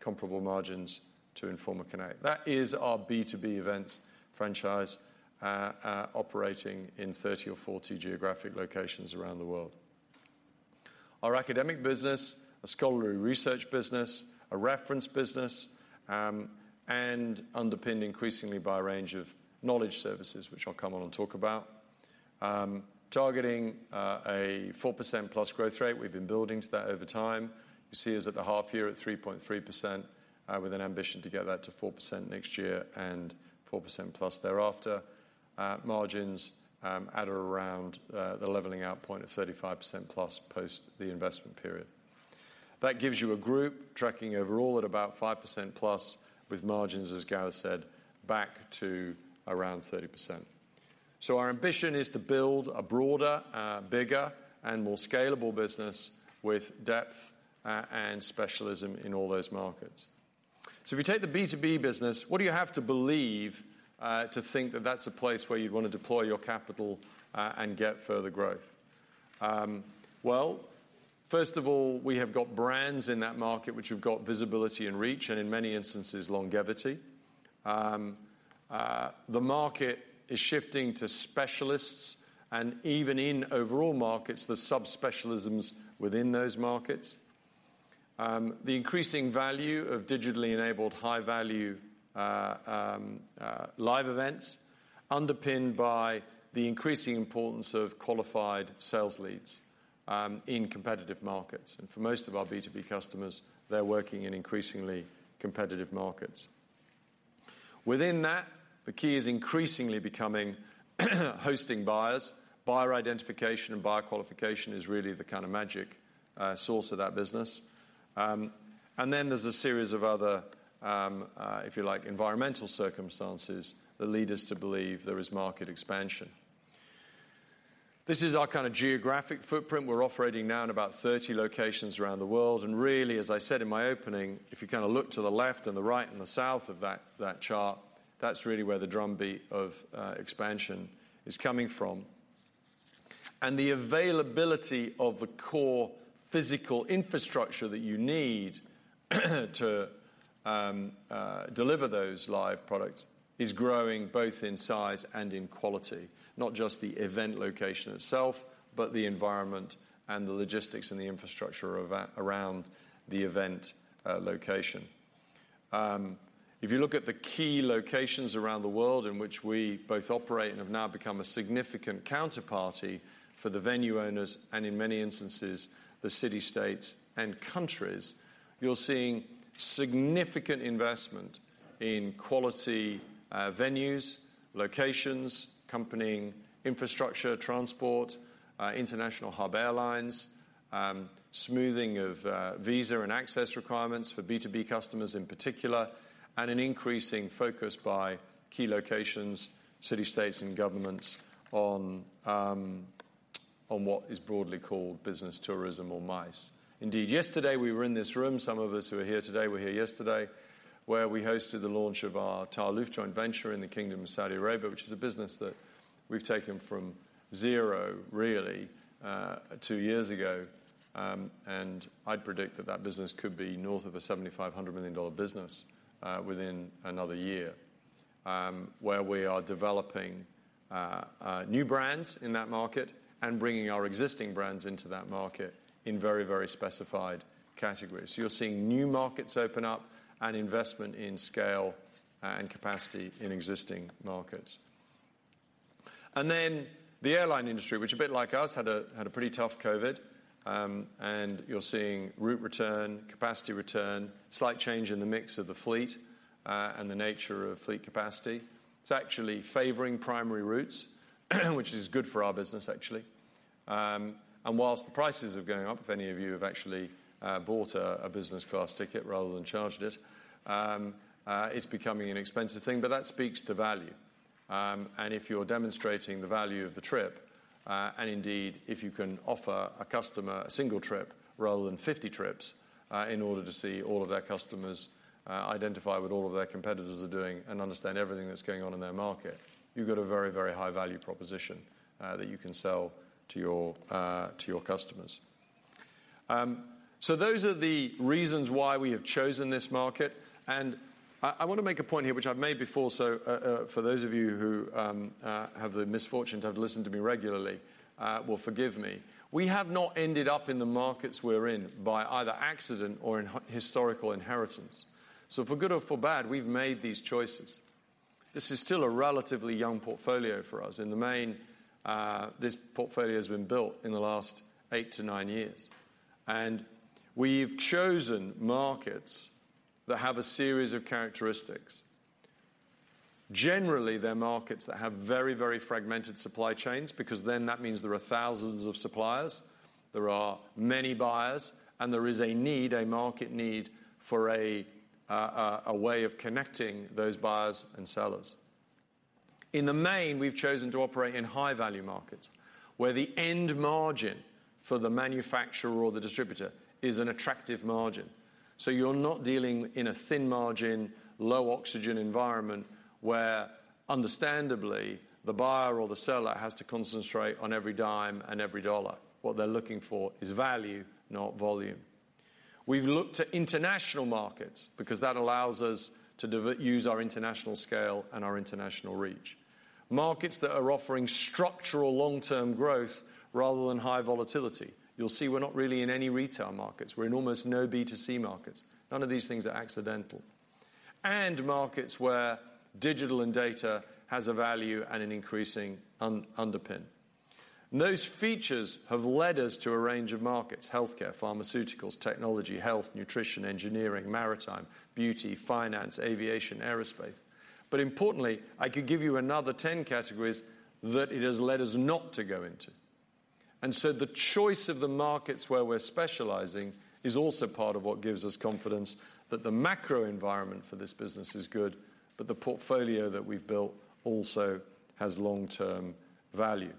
comparable margins to Informa Connect. That is our B2B event franchise, operating in 30 or 40 geographic locations around the world. Our academic business, a scholarly research business, a reference business, and underpinned increasingly by a range of knowledge services, which I'll come on and talk about. Targeting a 4%+ growth rate, we've been building to that over time. You see us at the half year at 3.3%, with an ambition to get that to 4% next year and 4%+ thereafter. Margins, at around the leveling out point of 35%+ post the investment period. That gives you a group tracking overall at about 5% plus, with margins, as Gareth said, back to around 30%. Our ambition is to build a broader, bigger, and more scalable business with depth and specialism in all those markets. If you take the B2B business, what do you have to believe to think that that's a place where you'd want to deploy your capital and get further growth? Well, first of all, we have got brands in that market which have got visibility and reach, and in many instances, longevity. The market is shifting to specialists, and even in overall markets, the subspecialisms within those markets. The increasing value of digitally enabled, high-value, live events, underpinned by the increasing importance of qualified sales leads in competitive markets. For most of our B2B customers, they're working in increasingly competitive markets. Within that, the key is increasingly becoming hosting buyers. Buyer identification and buyer qualification is really the kind of magic source of that business. There's a series of other, if you like, environmental circumstances that lead us to believe there is market expansion. This is our kind of geographic footprint. We're operating now in about 30 locations around the world, and really, as I said in my opening, if you kind of look to the left and the right and the south of that chart, that's really where the drumbeat of expansion is coming from. The availability of the core physical infrastructure that you need to deliver those live products is growing both in size and in quality. Not just the event location itself, but the environment and the logistics and the infrastructure around the event location. If you look at the key locations around the world in which we both operate and have now become a significant counterparty for the venue owners, and in many instances, the city states and countries, you're seeing significant investment in quality venues, locations, accompanying infrastructure, transport, international hub airlines, smoothing of visa and access requirements for B2B customers in particular, and an increasing focus by key locations, city states, and governments on what is broadly called business tourism or MICE. Yesterday we were in this room. Some of us who are here today, were here yesterday, where we hosted the launch of our Tahaluf joint venture in the Kingdom of Saudi Arabia, which is a business that we've taken from zero, really, two years ago. I'd predict that that business could be north of a $75 million-$100 million business within another year. Where we are developing new brands in that market and bringing our existing brands into that market in very, very specified categories. You're seeing new markets open up and investment in scale and capacity in existing markets. The airline industry, which a bit like us, had a pretty tough COVID, and you're seeing route return, capacity return, slight change in the mix of the fleet and the nature of fleet capacity. It's actually favoring primary routes, which is good for our business, actually. Whilst the prices are going up, if any of you have actually bought a business class ticket rather than charged it's becoming an expensive thing, but that speaks to value. If you're demonstrating the value of the trip, and indeed, if you can offer a customer a single trip rather than 50 trips, in order to see all of their customers, identify what all of their competitors are doing and understand everything that's going on in their market, you've got a very, very high value proposition that you can sell to your customers. Those are the reasons why we have chosen this market. I want to make a point here, which I've made before. For those of you who have the misfortune to have listened to me regularly, well, forgive me. We have not ended up in the markets we're in by either accident or in historical inheritance. For good or for bad, we've made these choices. This is still a relatively young portfolio for us. In the main, this portfolio has been built in the last eight to nine years, and we've chosen markets that have a series of characteristics. Generally, they're markets that have very, very fragmented supply chains, because then that means there are thousands of suppliers, there are many buyers, and there is a need, a market need for a way of connecting those buyers and sellers. In the main, we've chosen to operate in high-value markets, where the end margin for the manufacturer or the distributor is an attractive margin. You're not dealing in a thin margin, low oxygen environment, where understandably, the buyer or the seller has to concentrate on every dime and every dollar. What they're looking for is value, not volume. We've looked at international markets because that allows us to divert, use our international scale and our international reach. Markets that are offering structural long-term growth rather than high volatility. You'll see we're not really in any retail markets. We're in almost no B2C markets. None of these things are accidental. Markets where digital and data has a value and an increasing underpin. Those features have led us to a range of markets: healthcare, pharmaceuticals, technology, health, nutrition, engineering, maritime, beauty, finance, aviation, aerospace. Importantly, I could give you another 10 categories that it has led us not to go into. The choice of the markets where we're specializing is also part of what gives us confidence that the macro environment for this business is good, but the portfolio that we've built also has long-term value.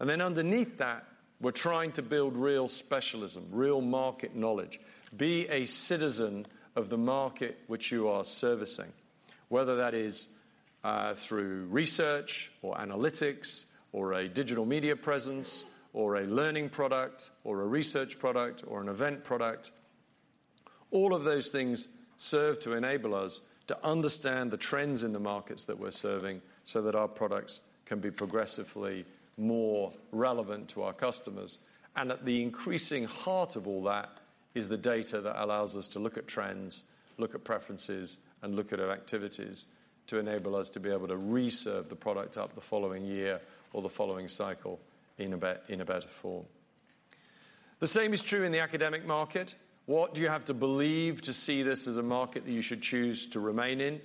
Underneath that, we're trying to build real specialism, real market knowledge. Be a citizen of the market which you are servicing, whether that is through research or analytics or a digital media presence, or a learning product, or a research product, or an event product. All of those things serve to enable us to understand the trends in the markets that we're serving, so that our products can be progressively more relevant to our customers. At the increasing heart of all that is the data that allows us to look at trends, look at preferences, and look at our activities, to enable us to be able to re-serve the product up the following year or the following cycle in a better form. The same is true in the academic market. What do you have to believe to see this as a market that you should choose to remain in?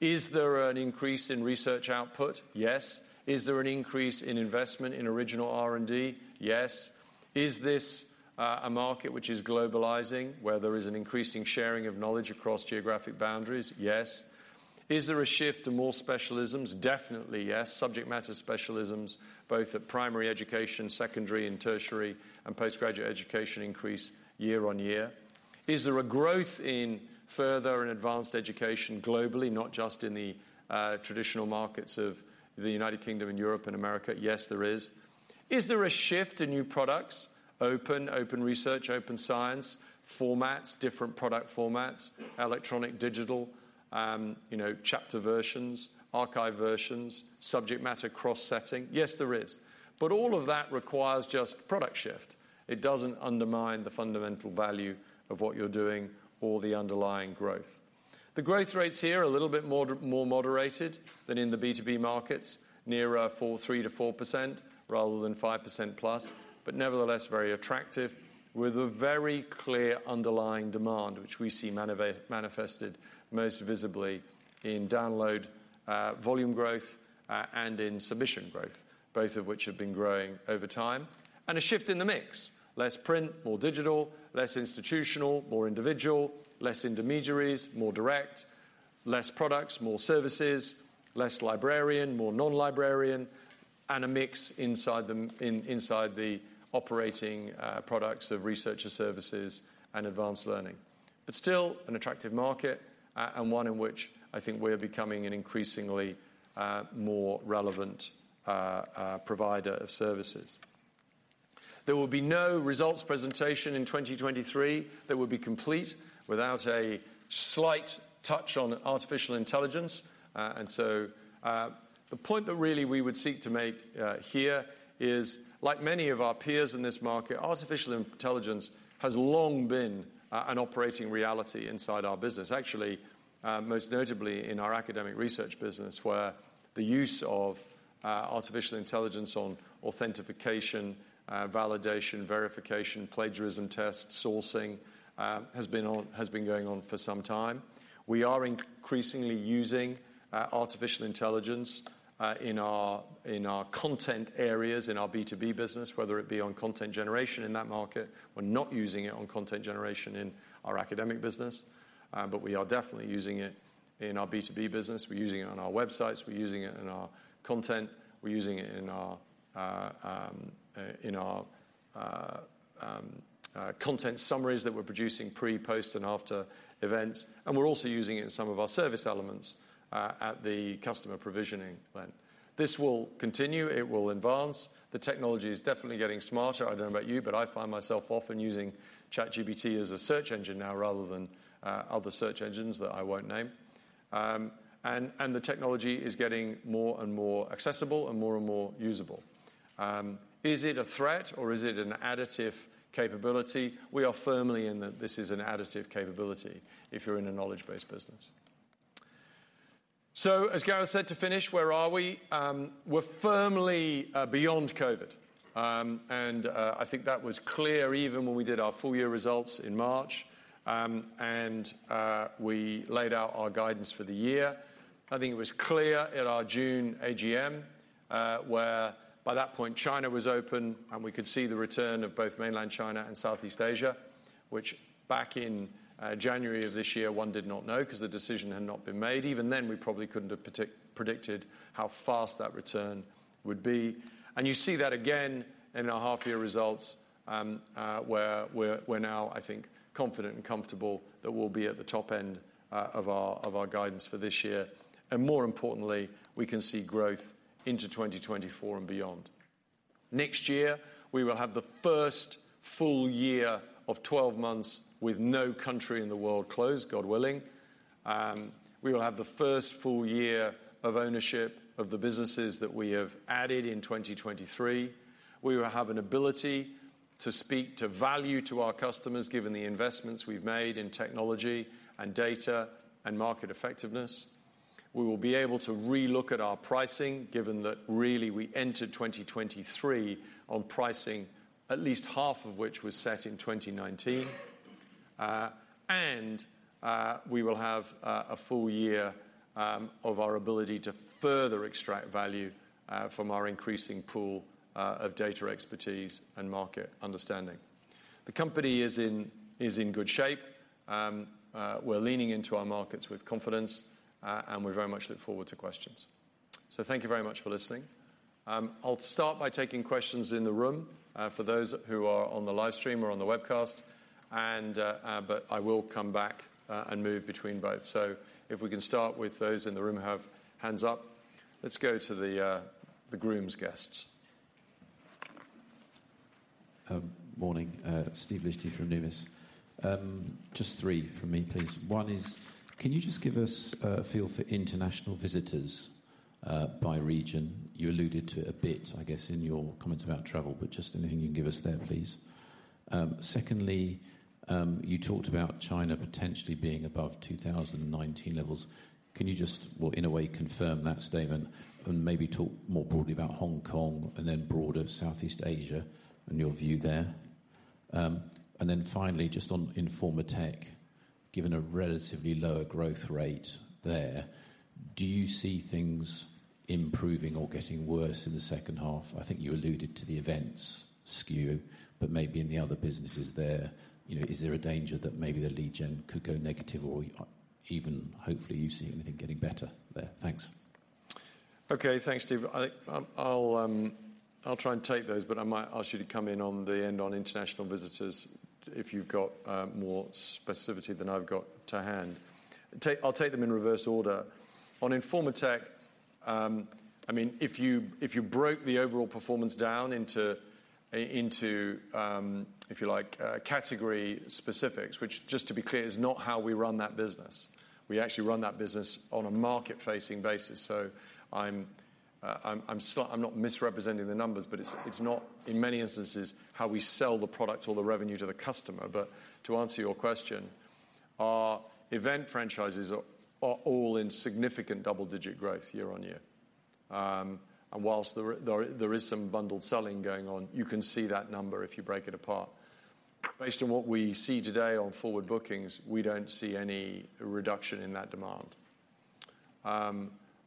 Is there an increase in research output? Yes. Is there an increase in investment in original R&D? Yes. Is this a market which is globalizing, where there is an increasing sharing of knowledge across geographic boundaries? Yes. Is there a shift to more specialisms? Definitely, yes. Subject matter specialisms, both at primary education, secondary and tertiary, and postgraduate education increase year-on-year. Is there a growth in further and advanced education globally, not just in the traditional markets of the United Kingdom and Europe and America? Yes, there is. Is there a shift in new products, open research, open science, formats, different product formats, electronic, digital, you know, chapter versions, archive versions, subject matter cross-setting? Yes, there is. All of that requires just product shift. It doesn't undermine the fundamental value of what you're doing or the underlying growth. The growth rates here are a little bit more moderated than in the B2B markets, nearer 3%-4% rather than 5%+, but nevertheless very attractive, with a very clear underlying demand, which we see manifested most visibly in download volume growth and in submission growth, both of which have been growing over time. A shift in the mix. Less print, more digital, less institutional, more individual, less intermediaries, more direct, less products, more services, less librarian, more non-librarian, and a mix inside the inside the operating products of researcher services and advanced learning. Still an attractive market, and one in which I think we're becoming an increasingly more relevant provider of services. There will be no results presentation in 2023 that would be complete without a slight touch on artificial intelligence. The point that really we would seek to make here is, like many of our peers in this market, artificial intelligence has long been an operating reality inside our business. Actually, most notably in our academic research business, where the use of artificial intelligence on authentication, validation, verification, plagiarism tests, sourcing, has been going on for some time. We are increasingly using artificial intelligence in our content areas, in our B2B business, whether it be on content generation in that market. We're not using it on content generation in our academic business, but we are definitely using it in our B2B business. We're using it on our websites, we're using it in our content, we're using it in our content summaries that we're producing pre, post, and after events, and we're also using it in some of our service elements at the customer provisioning length. This will continue, it will advance. The technology is definitely getting smarter. I don't know about you, but I find myself often using ChatGPT as a search engine now, rather than other search engines that I won't name. The technology is getting more and more accessible and more and more usable. Is it a threat or is it an additive capability? We are firmly in that this is an additive capability if you're in a knowledge-based business. As Gareth said, to finish, where are we? We're firmly beyond COVID. I think that was clear even when we did our full year results in March. We laid out our guidance for the year. I think it was clear at our June AGM, where by that point, China was open, and we could see the return of both Mainland China and Southeast Asia, which back in January of this year, one did not know, because the decision had not been made. Even then, we probably couldn't have predicted how fast that return would be. You see that again in our half year results, where we're now, I think, confident and comfortable that we'll be at the top end of our guidance for this year. More importantly, we can see growth into 2024 and beyond. Next year, we will have the first full year of 12 months with no country in the world closed, God willing. We will have the first full year of ownership of the businesses that we have added in 2023. We will have an ability to speak to value to our customers, given the investments we've made in technology and data and market effectiveness. We will be able to relook at our pricing, given that really we entered 2023 on pricing, at least half of which was set in 2019. We will have a full year of our ability to further extract value from our increasing pool of data expertise and market understanding. The company is in good shape. We're leaning into our markets with confidence, and we very much look forward to questions. Thank you very much for listening. I'll start by taking questions in the room, for those who are on the live stream or on the webcast, and, but I will come back, and move between both. If we can start with those in the room who have hands up. Let's go to the room's guests. Morning, Steve Liechti from Numis. Just three from me, please. One is, can you just give us a feel for international visitors by region? You alluded to a bit, I guess, in your comments about travel, but just anything you can give us there, please. Secondly, you talked about China potentially being above 2019 levels. Can you just confirm that statement and maybe talk more broadly about Hong Kong and then broader Southeast Asia and your view there? Finally, just on Informa Tech, given a relatively lower growth rate there, do you see things improving or getting worse in the second half? I think you alluded to the events skew. Maybe in the other businesses there, you know, is there a danger that maybe the lead gen could go negative or even hopefully you see anything getting better there? Thanks. Okay, thanks, Steve Liechti. I think I'll try and take those, but I might ask you to come in on the end on international visitors if you've got more specificity than I've got to hand. I'll take them in reverse order. On Informa Tech, I mean, if you broke the overall performance down into a, into, if you like, category specifics, which just to be clear, is not how we run that business. We actually run that business on a market-facing basis. I'm not misrepresenting the numbers, but it's not, in many instances, how we sell the product or the revenue to the customer. To answer your question, our event franchises are all in significant double-digit growth year on year. Whilst there is some bundled selling going on, you can see that number if you break it apart. Based on what we see today on forward bookings, we don't see any reduction in that demand.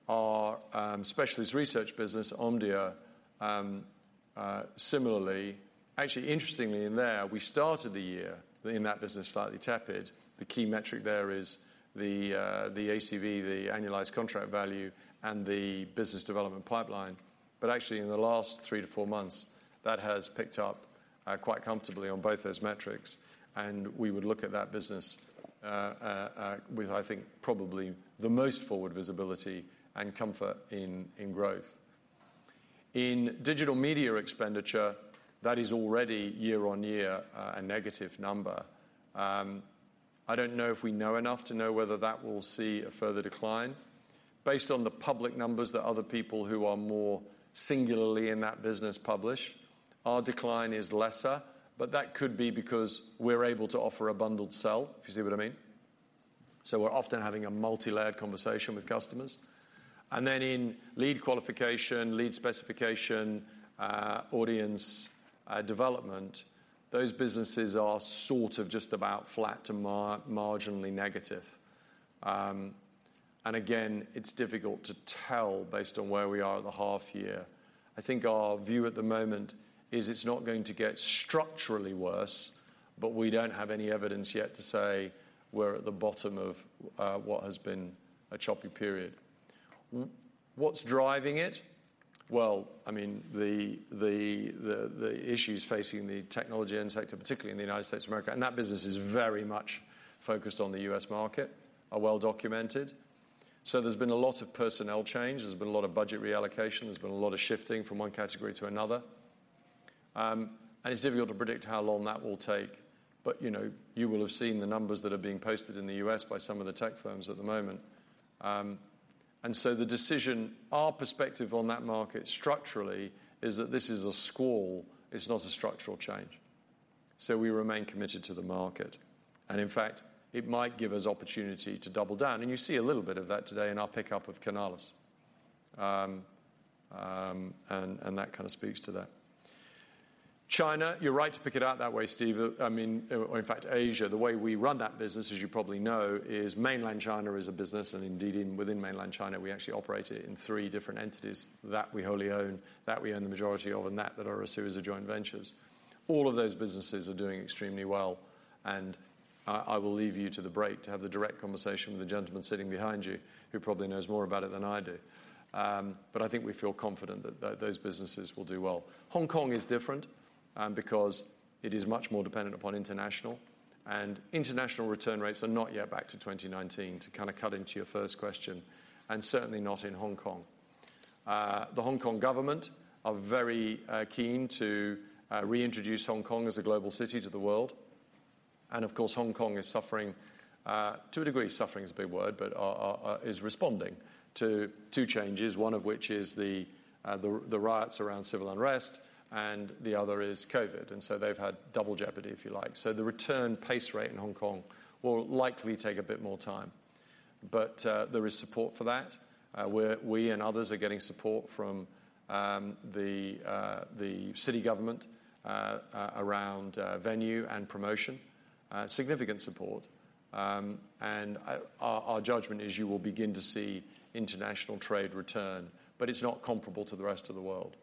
Our specialist research business, Omdia, similarly. Actually, interestingly in there, we started the year in that business, slightly tepid. The key metric there is the ACV, the annualized contract value, and the business development pipeline. Actually, in the last three to four months, that has picked up quite comfortably on both those metrics, and we would look at that business with, I think, probably the most forward visibility and comfort in growth. In digital media expenditure, that is already year-on-year a negative number. I don't know if we know enough to know whether that will see a further decline. Based on the public numbers that other people who are more singularly in that business publish, our decline is lesser, but that could be because we're able to offer a bundled sell, if you see what I mean. We're often having a multilayered conversation with customers. In lead qualification, lead specification, audience development, those businesses are sort of just about flat to marginally negative. Again, it's difficult to tell based on where we are at the half year. I think our view at the moment is it's not going to get structurally worse, but we don't have any evidence yet to say we're at the bottom of what has been a choppy period. What's driving it? Well, I mean, the issues facing the technology end sector, particularly in the United States of America, and that business is very much focused on the US market, are well documented. There's been a lot of personnel change, there's been a lot of budget reallocation, there's been a lot of shifting from one category to another. It's difficult to predict how long that will take, but, you know, you will have seen the numbers that are being posted in the US by some of the tech firms at the moment. The decision, our perspective on that market structurally, is that this is a squall, it's not a structural change. We remain committed to the market, and in fact, it might give us opportunity to double down. You see a little bit of that today in our pickup of Canalys. That kind of speaks to that. China, you're right to pick it out that way, Steve. I mean, or in fact, Asia, the way we run that business, as you probably know, is mainland China is a business, and indeed in within mainland China, we actually operate it in three different entities. That we wholly own, that we own the majority of, and that are a series of joint ventures. All of those businesses are doing extremely well, and I will leave you to the break to have the direct conversation with the gentleman sitting behind you, who probably knows more about it than I do. I think we feel confident that those businesses will do well. Hong Kong is different. Because it is much more dependent upon international, and international return rates are not yet back to 2019, to kind of cut into your first question, and certainly not in Hong Kong. The Hong Kong government are very keen to reintroduce Hong Kong as a global city to the world. And of course, Hong Kong is suffering to a degree, suffering is a big word, but is responding to two changes. One of which is the civil unrest, and the other is COVID, and so they've had double jeopardy, if you like. So the return pace rate in Hong Kong will likely take a bit more time. But there is support for that, where we and others are getting support from the city government around venue and promotion. Significant support. Our judgment is you will begin to see international trade return, but it's not comparable to the rest of the world.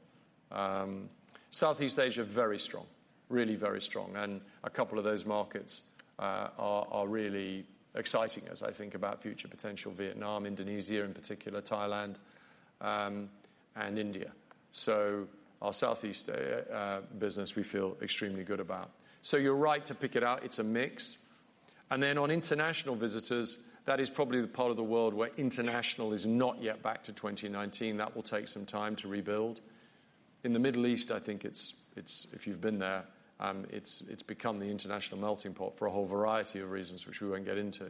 Southeast Asia, very strong. Really very strong, a couple of those markets are really exciting as I think about future potential, Vietnam, Indonesia in particular, Thailand, and India. Our Southeast business, we feel extremely good about. You're right to pick it out, it's a mix. On international visitors, that is probably the part of the world where international is not yet back to 2019. That will take some time to rebuild. In the Middle East, I think it's, if you've been there, it's become the international melting pot for a whole variety of reasons, which we won't get into.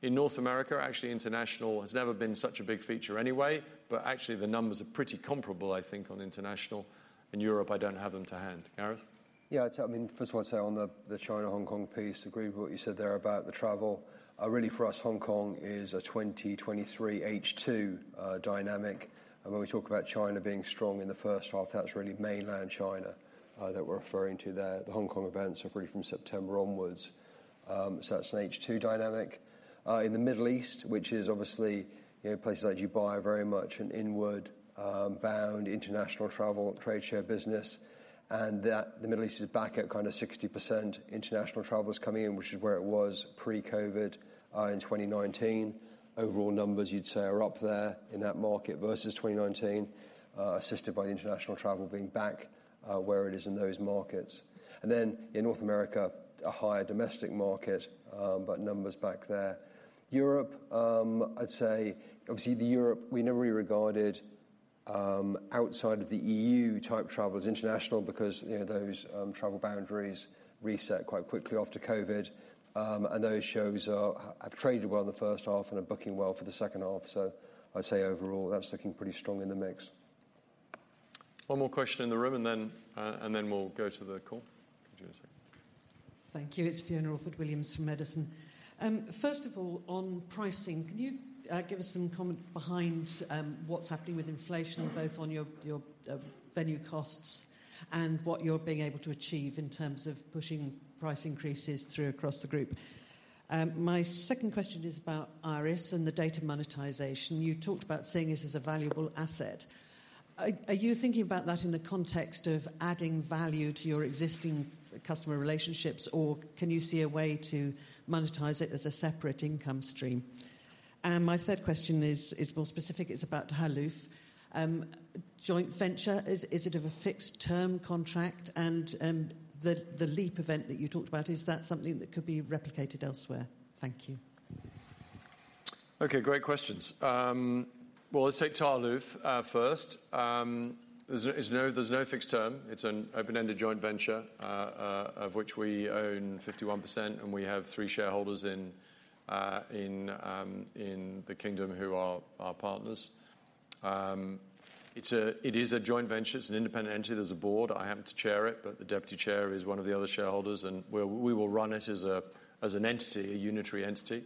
In North America, actually, international has never been such a big feature anyway. Actually, the numbers are pretty comparable, I think, on international. In Europe, I don't have them to hand. Gareth? Yeah, I mean, first I want to say on the China, Hong Kong piece, agree with what you said there about the travel. Really for us, Hong Kong is a 2023 H2 dynamic. When we talk about China being strong in the first half, that's really mainland China, that we're referring to there. The Hong Kong events are really from September onwards, so that's an H2 dynamic. In the Middle East, which is obviously, you know, places like Dubai, very much an inward, bound international travel trade show business, and that the Middle East is back at kind of 60% international travelers coming in, which is where it was pre-COVID, in 2019. Overall numbers you'd say are up there in that market versus 2019, assisted by international travel being back where it is in those markets. In North America, a higher domestic market, but numbers back there. Europe, I'd say, obviously the Europe, we never really regarded outside of the EU type travel as international because, you know, those travel boundaries reset quite quickly after COVID. Those shows have traded well in the first half and are booking well for the second half. I'd say overall, that's looking pretty strong in the mix. One more question in the room, and then we'll go to the call. Give you a second. Thank you. It's Fiona Orford-Williams from Edison. First of all, on pricing, can you give us some comment behind what's happening with inflation, both on your venue costs and what you're being able to achieve in terms of pushing price increases through across the group? My second question is about IIRIS and the data monetization. You talked about seeing this as a valuable asset. Are you thinking about that in the context of adding value to your existing customer relationships, or can you see a way to monetize it as a separate income stream? My third question is more specific, it's about Tahaluf. Joint venture, is it of a fixed-term contract? The LEAP event that you talked about, is that something that could be replicated elsewhere? Thank you. Okay, great questions. Let's take Tahaluf first. There's no fixed term. It's an open-ended joint venture of which we own 51%, and we have 3 shareholders in the kingdom who are our partners. It is a joint venture. It's an independent entity. There's a board. I happen to chair it, but the deputy chair is one of the other shareholders, and we will run it as an entity, a unitary entity.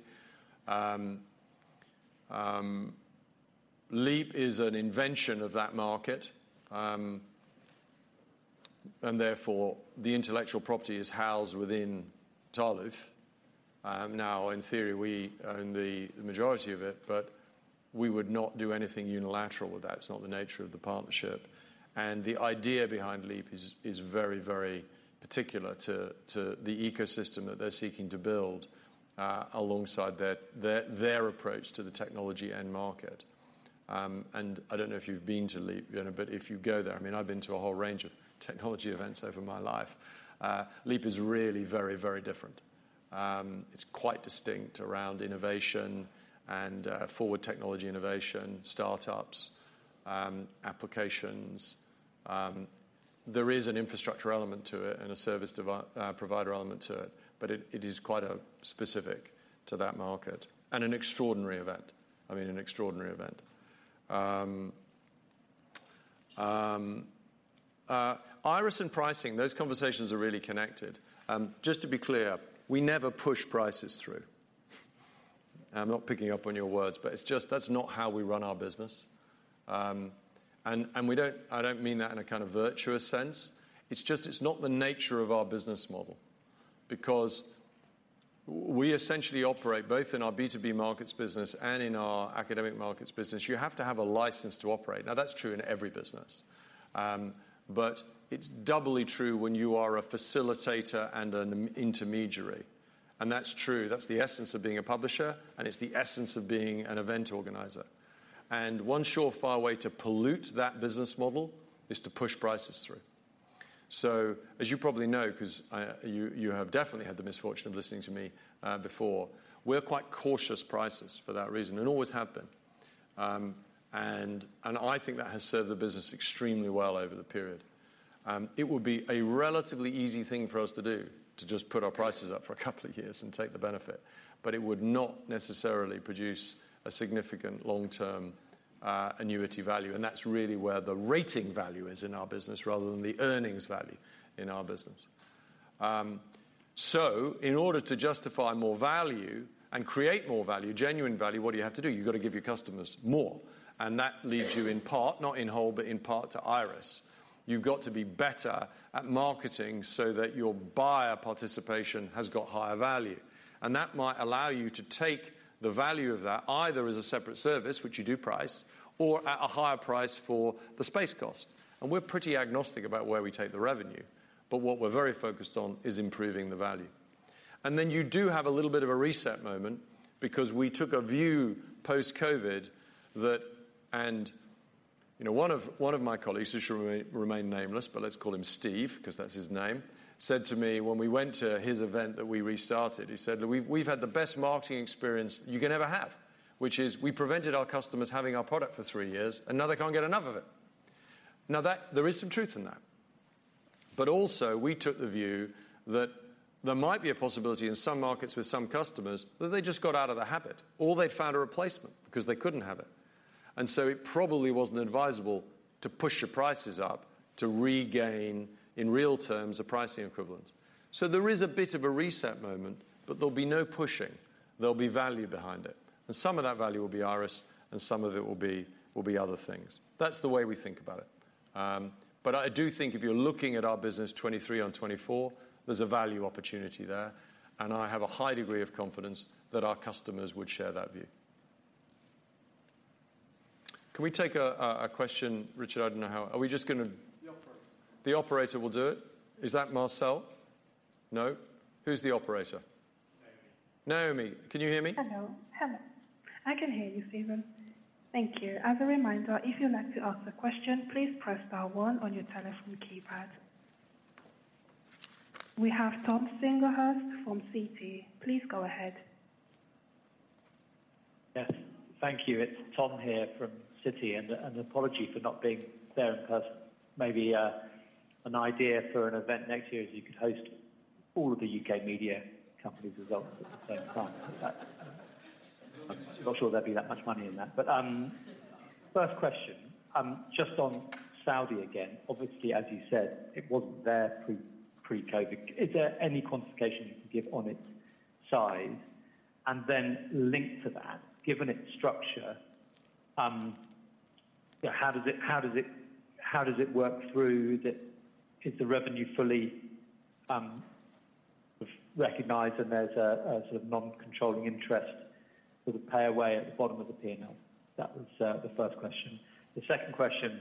Leap is an invention of that market, and therefore, the intellectual property is housed within Tahaluf. Now, in theory, we own the majority of it, but we would not do anything unilateral with that. It's not the nature of the partnership. The idea behind Leap is very particular to the ecosystem that they're seeking to build alongside their approach to the technology and market. I don't know if you've been to Leap, you know, but if you go there. I mean, I've been to a whole range of technology events over my life. Leap is really very different. It's quite distinct around innovation and forward technology innovation, startups, applications. There is an infrastructure element to it and a service provider element to it, but it is quite specific to that market, and an extraordinary event. I mean, an extraordinary event. IIRIS and pricing, those conversations are really connected. Just to be clear, we never push prices through. I'm not picking up on your words, but it's just, that's not how we run our business. We don't mean that in a kind of virtuous sense. It's just, it's not the nature of our business model, because we essentially operate both in our B2B markets business and in our academic markets business. You have to have a license to operate. Now, that's true in every business, but it's doubly true when you are a facilitator and an intermediary. That's true. That's the essence of being a publisher, and it's the essence of being an event organizer. One sure far way to pollute that business model is to push prices through. As you probably know, 'cause I, you have definitely had the misfortune of listening to me, before, we're quite cautious prices for that reason, and always have been. I think that has served the business extremely well over the period. It would be a relatively easy thing for us to do, to just put our prices up for 2 years and take the benefit, but it would not necessarily produce a significant long-term annuity value, and that's really where the rating value is in our business rather than the earnings value in our business. In order to justify more value and create more value, genuine value, what do you have to do? You've got to give your customers more, and that leads you in part, not in whole, but in part, to IIRIS. You've got to be better at marketing so that your buyer participation has got higher value, and that might allow you to take the value of that, either as a separate service, which you do price, or at a higher price for the space cost. We're pretty agnostic about where we take the revenue, but what we're very focused on is improving the value. You do have a little bit of a reset moment because we took a view post-COVID that... You know, one of my colleagues, who should remain nameless, but let's call him Steve, because that's his name, said to me when we went to his event that we restarted, he said, "We've had the best marketing experience you can ever have, which is we prevented our customers having our product for three years, and now they can't get enough of it." There is some truth in that. Also, we took the view that there might be a possibility in some markets with some customers that they just got out of the habit or they'd found a replacement because they couldn't have it. It probably wasn't advisable to push your prices up to regain, in real terms, the pricing equivalent. There is a bit of a reset moment, but there'll be no pushing. There'll be value behind it, and some of that value will be IIRIS, and some of it will be other things. That's the way we think about it. I do think if you're looking at our business 2023 on 2024, there's a value opportunity there, and I have a high degree of confidence that our customers would share that view. Can we take a question, Richard? I don't know how. Are we just gonna- The operator. The operator will do it. Is that Marcel? No? Who's the operator? Naomi. Naomi, can you hear me? Hello, hello. I can hear you, Stephen. Thank you. As a reminder, if you'd like to ask a question, please press star one on your telephone keypad. We have Thomas Singlehurst from Citi. Please go ahead. Yes. Thank you. It's Tom here from Citi, and apologies for not being there in person. Maybe an idea for an event next year is you could host all of the UK media companies results at the same time. I'm not sure there'd be that much money in that. First question, just on Saudi again, obviously, as you said, it wasn't there pre-COVID. Is there any quantification you can give on its size? Linked to that, given its structure, how does it work through? Is the revenue fully recognized, and there's a sort of non-controlling interest with a pay away at the bottom of the P&L? That was the first question. The second question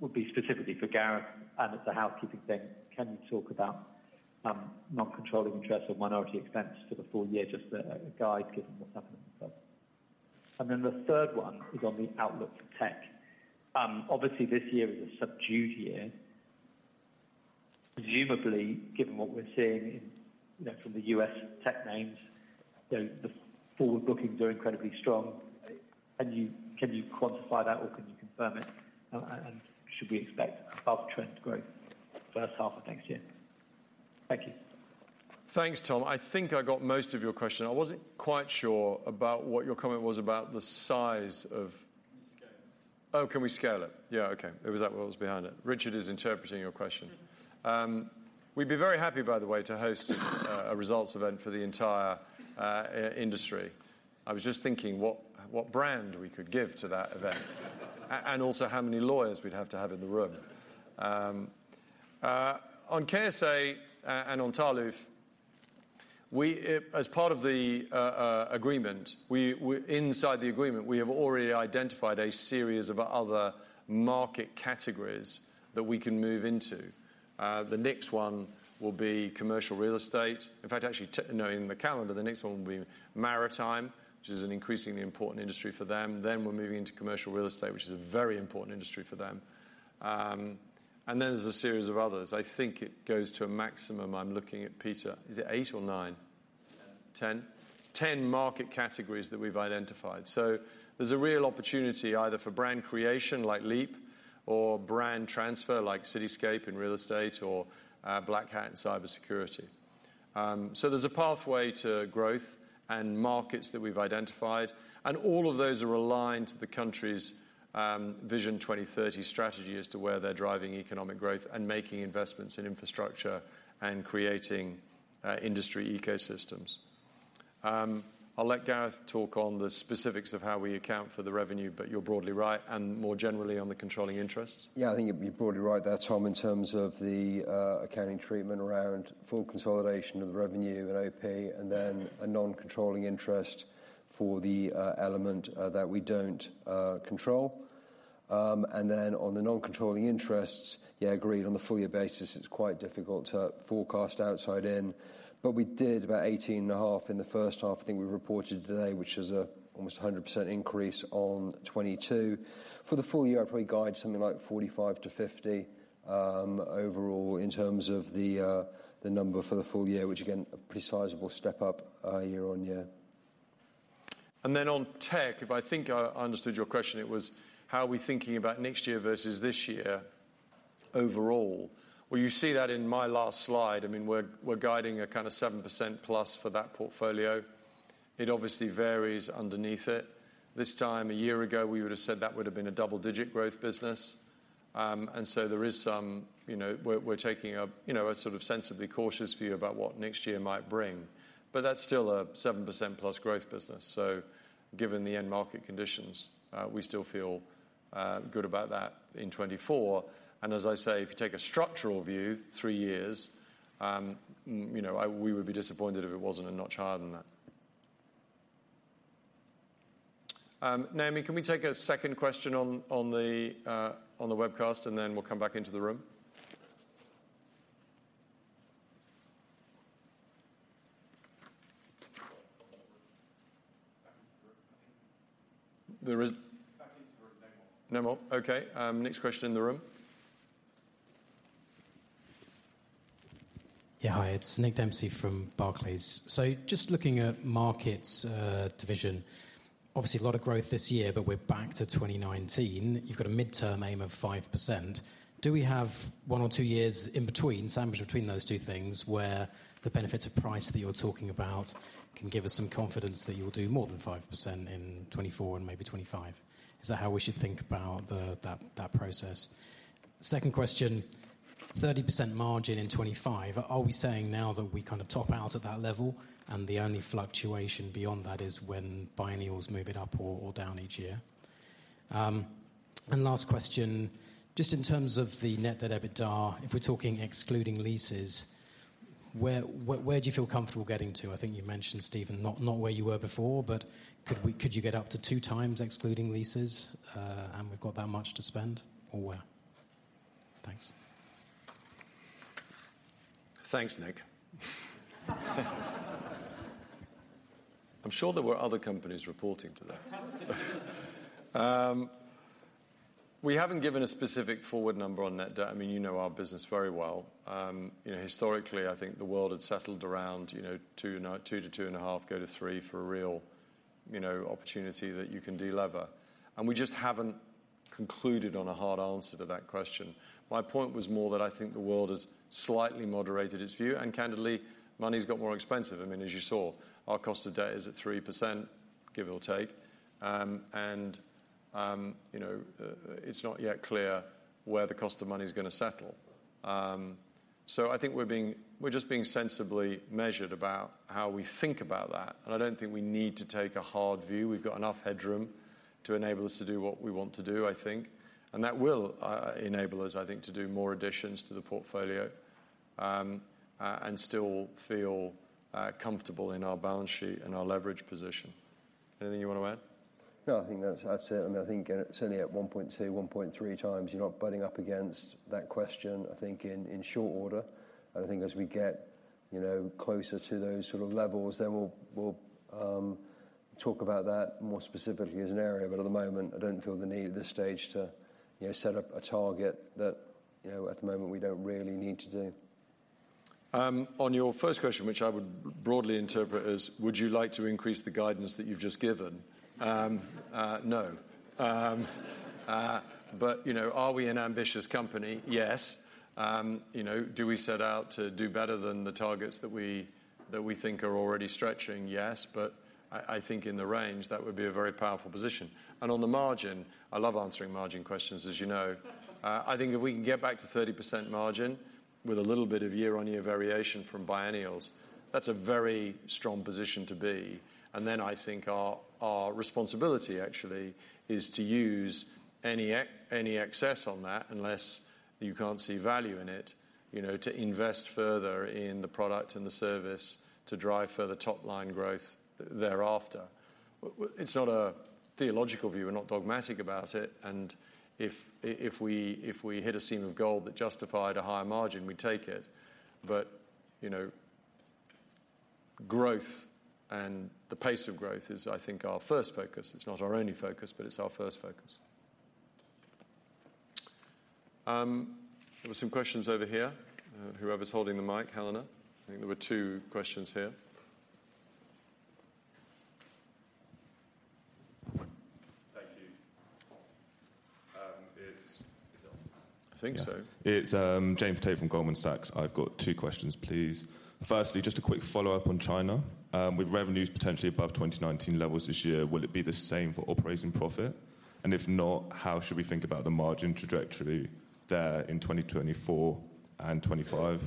would be specifically for Gareth, and it's a housekeeping thing. Can you talk about non-controlling interest or minority expense to the full year, just a guide, given what's happening itself? The third one is on the outlook for tech. Obviously, this year is a subdued year. Presumably, given what we're seeing in, you know, from the U.S. tech names, the forward bookings are incredibly strong. Can you quantify that or can you confirm it? Should we expect above-trend growth first half of next year? Thank you. Thanks, Tom. I think I got most of your question. I wasn't quite sure about what your comment was about. Can you scale it? Can we scale it? Yeah. Okay. It was that what was behind it. Richard is interpreting your question. We'd be very happy, by the way, to host a results event for the entire industry. I was just thinking what brand we could give to that event, and also how many lawyers we'd have to have in the room. On KSA, and on Tahaluf, we as part of the agreement, we inside the agreement, we have already identified a series of other market categories that we can move into. The next one will be commercial real estate. In fact, actually, knowing the calendar, the next one will be maritime, which is an increasingly important industry for them. We're moving into commercial real estate, which is a very important industry for them. There's a series of others. I think it goes to a maximum. I'm looking at Peter. Is it eight or nine? Ten. 10? 10 market categories that we've identified. There's a real opportunity either for brand creation, like LEAP, or brand transfer, like Cityscape in real estate or Black Hat in cybersecurity. There's a pathway to growth and markets that we've identified, and all of those are aligned to the country's Vision 2030 strategy as to where they're driving economic growth and making investments in infrastructure and creating industry ecosystems. I'll let Gareth talk on the specifics of how we account for the revenue, but you're broadly right and more generally on the controlling interests. I think you'd be broadly right there, Tom, in terms of the accounting treatment around full consolidation of the revenue and OP, and then a non-controlling interest for the element that we don't control. On the non-controlling interests, yeah, agreed. On the full year basis, it's quite difficult to forecast outside in. We did about 18.5 in the first half, I think we reported today, which is almost a 100% increase on 2022. For the full year, I'd probably guide something like 45-50 overall, in terms of the number for the full year, which again, a sizable step up year-over-year. On tech, if I think I understood your question, it was how are we thinking about next year versus this year overall? You see that in my last slide. I mean, we're guiding a kind of 7% plus for that portfolio. It obviously varies underneath it. This time a year ago, we would have said that would have been a double-digit growth business. There is some, you know, we're taking a, you know, a sort of sensibly cautious view about what next year might bring. That's still a 7% plus growth business. Given the end market conditions, we still feel good about that in 2024. As I say, if you take a structural view, 3 years, you know, we would be disappointed if it wasn't a notch higher than that. Naomi, can we take a second question on the webcast, and then we'll come back into the room? Back into the room. There is- Back into the room. No more. No more. Okay, next question in the room. Hi, it's Nick Dempsey from Barclays. Just looking at markets division. Obviously, a lot of growth this year, but we're back to 2019. You've got a midterm aim of 5%. Do we have 1 or 2 years in between, sandwiched between those two things, where the benefits of price that you're talking about can give us some confidence that you'll do more than 5% in 2024 and maybe 2025? Is that how we should think about that process? Second question, 30% margin in 2025. Are we saying now that we kind of top out at that level, and the only fluctuation beyond that is when biennials move it up or down each year? Last question, just in terms of the net debt EBITDA, if we're talking excluding leases, where do you feel comfortable getting to? I think you mentioned, Stephen, not where you were before, could you get up to 2 times excluding leases, we've got that much to spend or where? Thanks. Thanks, Nick. I'm sure there were other companies reporting today. We haven't given a specific forward number on net debt. I mean, you know our business very well. You know, historically, I think the world had settled around, you know, 2.5, 2-2.5, go to 3 for a real, you know, opportunity that you can deliver. We just haven't concluded on a hard answer to that question. My point was more that I think the world has slightly moderated its view, and candidly, money's got more expensive. I mean, as you saw, our cost of debt is at 3%, give or take. You know, it's not yet clear where the cost of money is going to settle. I think we're being, we're just being sensibly measured about how we think about that, and I don't think we need to take a hard view. We've got enough headroom to enable us to do what we want to do, I think. That will enable us, I think, to do more additions to the portfolio and still feel comfortable in our balance sheet and our leverage position. Anything you want to add? No, I think that's it. I mean, I think certainly at 1.2, 1.3 times, you're not butting up against that question, I think in short order. I think as we get, you know, closer to those sort of levels, then we'll talk about that more specifically as an area. At the moment, I don't feel the need at this stage to, you know, set up a target that, you know, at the moment, we don't really need to do. On your first question, which I would broadly interpret as, would you like to increase the guidance that you've just given? No. You know, are we an ambitious company? Yes. You know, do we set out to do better than the targets that we, that we think are already stretching? Yes, but I think in the range, that would be a very powerful position. On the margin, I love answering margin questions, as you know. I think if we can get back to 30% margin with a little bit of year-on-year variation from biennials, that's a very strong position to be. I think our responsibility actually is to use any excess on that, unless you can't see value in it, you know, to invest further in the product and the service to drive further top-line growth thereafter. It's not a theological view. We're not dogmatic about it, and if we hit a seam of gold that justified a higher margin, we take it. You know, growth and the pace of growth is, I think, our first focus. It's not our only focus, but it's our first focus. There were some questions over here. Whoever's holding the mic, Helena, I think there were two questions here. Thank you. Is it on? I think so. It's, David Tait from Goldman Sachs. I've got two questions, please. Firstly, just a quick follow-up on China. With revenues potentially above 2019 levels this year, will it be the same for operating profit? If not, how should we think about the margin trajectory there in 2024 and 2025?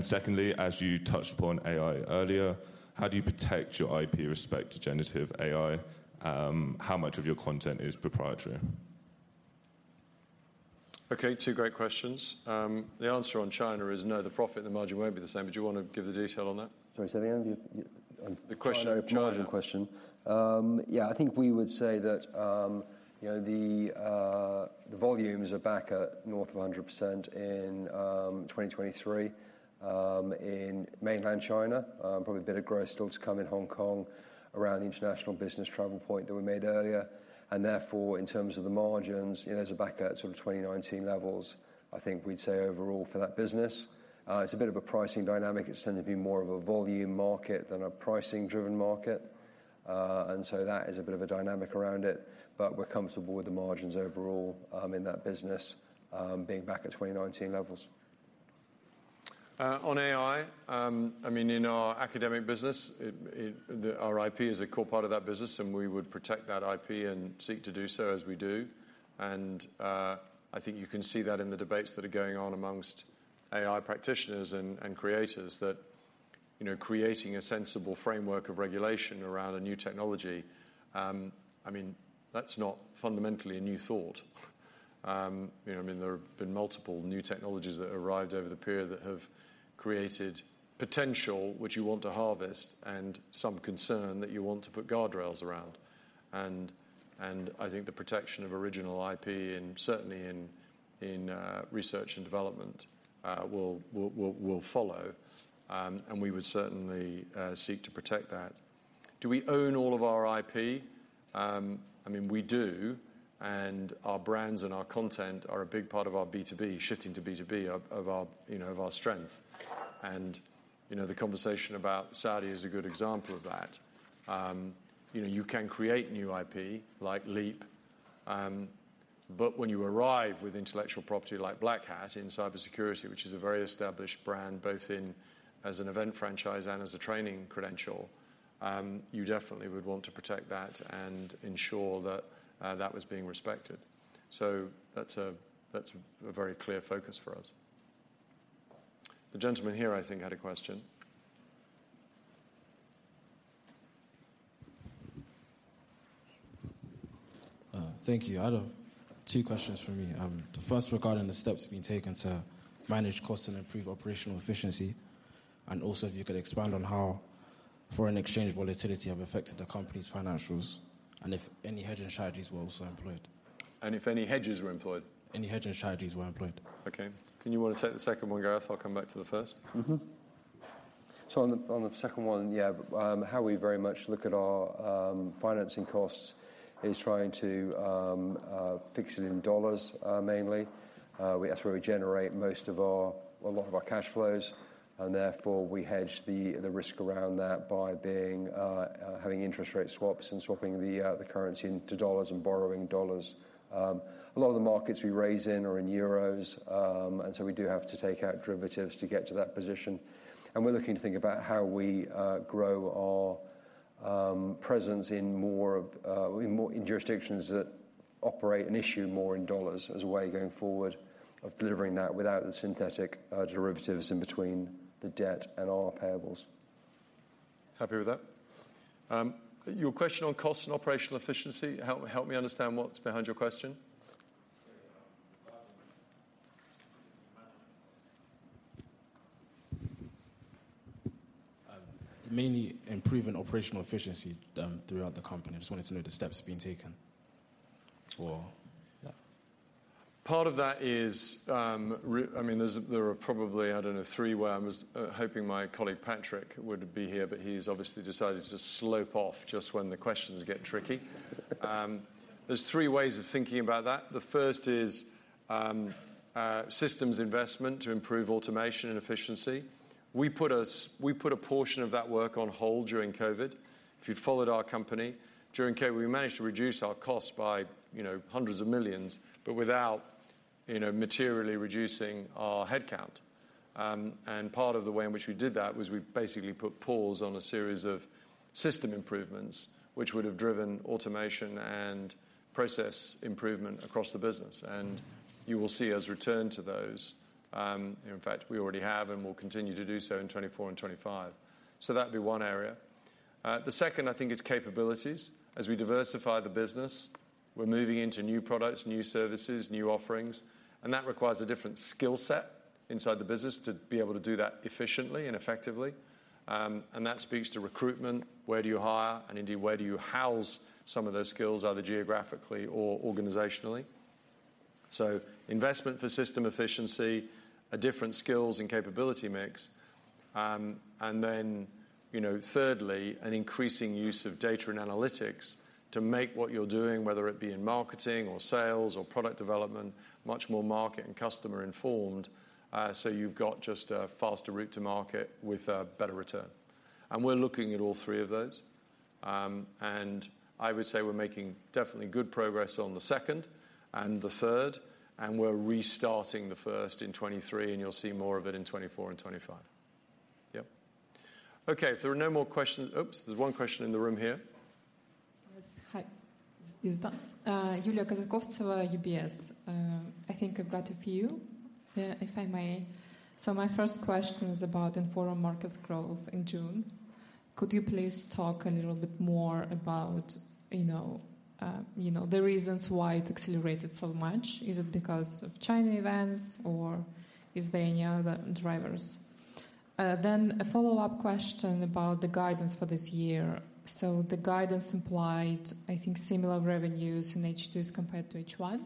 Secondly, as you touched upon AI earlier, how do you protect your IP with respect to generative AI? How much of your content is proprietary? Okay, two great questions. The answer on China is no, the profit, the margin won't be the same, but do you want to give the detail on that? Sorry, say that again? The question on China. Margin question. I think we would say that, you know, the volumes are back at north of 100% in 2023 in mainland China. Probably a bit of growth still to come in Hong Kong around the international business travel point that we made earlier. In terms of the margins, you know, there's a back at sort of 2019 levels, I think we'd say overall for that business. It's a bit of a pricing dynamic. It's tended to be more of a volume market than a pricing-driven market. That is a bit of a dynamic around it, but we're comfortable with the margins overall in that business being back at 2019 levels. On AI, I mean, in our academic business, our IP is a core part of that business, and we would protect that IP and seek to do so as we do. I think you can see that in the debates that are going on amongst AI practitioners and creators that, you know, creating a sensible framework of regulation around a new technology, I mean, that's not fundamentally a new thought. You know, I mean, there have been multiple new technologies that arrived over the period that have created potential, which you want to harvest, and some concern that you want to put guardrails around. I think the protection of original IP and certainly in research and development will follow. We would certainly seek to protect that. Do we own all of our IP? I mean, we do, and our brands and our content are a big part of our B2B, shifting to B2B, of our, you know, of our strength. You know, the conversation about Saudi is a good example of that. You know, you can create new IP, like LEAP, but when you arrive with intellectual property like Black Hat in cybersecurity, which is a very established brand, both in as an event franchise and as a training credential, you definitely would want to protect that and ensure that that was being respected. That's a very clear focus for us. The gentleman here, I think, had a question. Thank you. I had two questions for me. The first regarding the steps being taken to manage costs and improve operational efficiency, and also if you could expand on how foreign exchange volatility have affected the company's financials, and if any hedging strategies were also employed. If any hedges were employed? Any hedging strategies were employed? Okay. Can you want to take the second one, Gareth? I'll come back to the first. On the second one, yeah, how we very much look at our financing costs is trying to fix it in dollars, mainly. That's where we generate a lot of our cash flows, and therefore, we hedge the risk around that by being having interest rate swaps and swapping the currency into dollars and borrowing dollars. A lot of the markets we raise in are in euros, and so we do have to take out derivatives to get to that position. We're looking to think about how we grow our presence in more of in jurisdictions that operate and issue more in dollars as a way of going forward, of delivering that without the synthetic derivatives in between the debt and our payables. Happy with that? Your question on costs and operational efficiency, help me understand what's behind your question. Mainly improving operational efficiency throughout the company. I just wanted to know the steps being taken. Sure. Yeah. Part of that is, I mean, there are probably, I don't know, three ways. I was hoping my colleague, Patrick, would be here, but he's obviously decided to slope off just when the questions get tricky. There are three ways of thinking about that. The first is systems investment to improve automation and efficiency. We put a portion of that work on hold during COVID. If you followed our company, during COVID, we managed to reduce our costs by, you know, GBP hundreds of millions, but without, you know, materially reducing our headcount. Part of the way in which we did that was we basically put pause on a series of system improvements, which would have driven automation and process improvement across the business. You will see us return to those. In fact, we already have and will continue to do so in 2024 and 2025. That'd be one area. The second, I think, is capabilities. As we diversify the business, we're moving into new products, new services, new offerings, and that requires a different skill set inside the business to be able to do that efficiently and effectively. That speaks to recruitment. Where do you hire, and indeed, where do you house some of those skills, either geographically or organizationally? Investment for system efficiency, a different skills and capability mix, and then, you know, thirdly, an increasing use of data and analytics to make what you're doing, whether it be in marketing or sales or product development, much more market and customer informed, so you've got just a faster route to market with a better return. We're looking at all three of those. I would say we're making definitely good progress on the second and the third, and we're restarting the first in 23, and you'll see more of it in 24 and 25. Yep. Okay, if there are no more questions. Oops, there's one question in the room here. Hi. Is that Yuliya Kryzhanovska, UBS. I think I've got a few, if I may. My first question is about the Informa Markets growth in June. Could you please talk a little bit more about, you know, you know, the reasons why it accelerated so much? Is it because of China events, or is there any other drivers? A follow-up question about the guidance for this year. The guidance implied, I think, similar revenues in H2 compared to H1,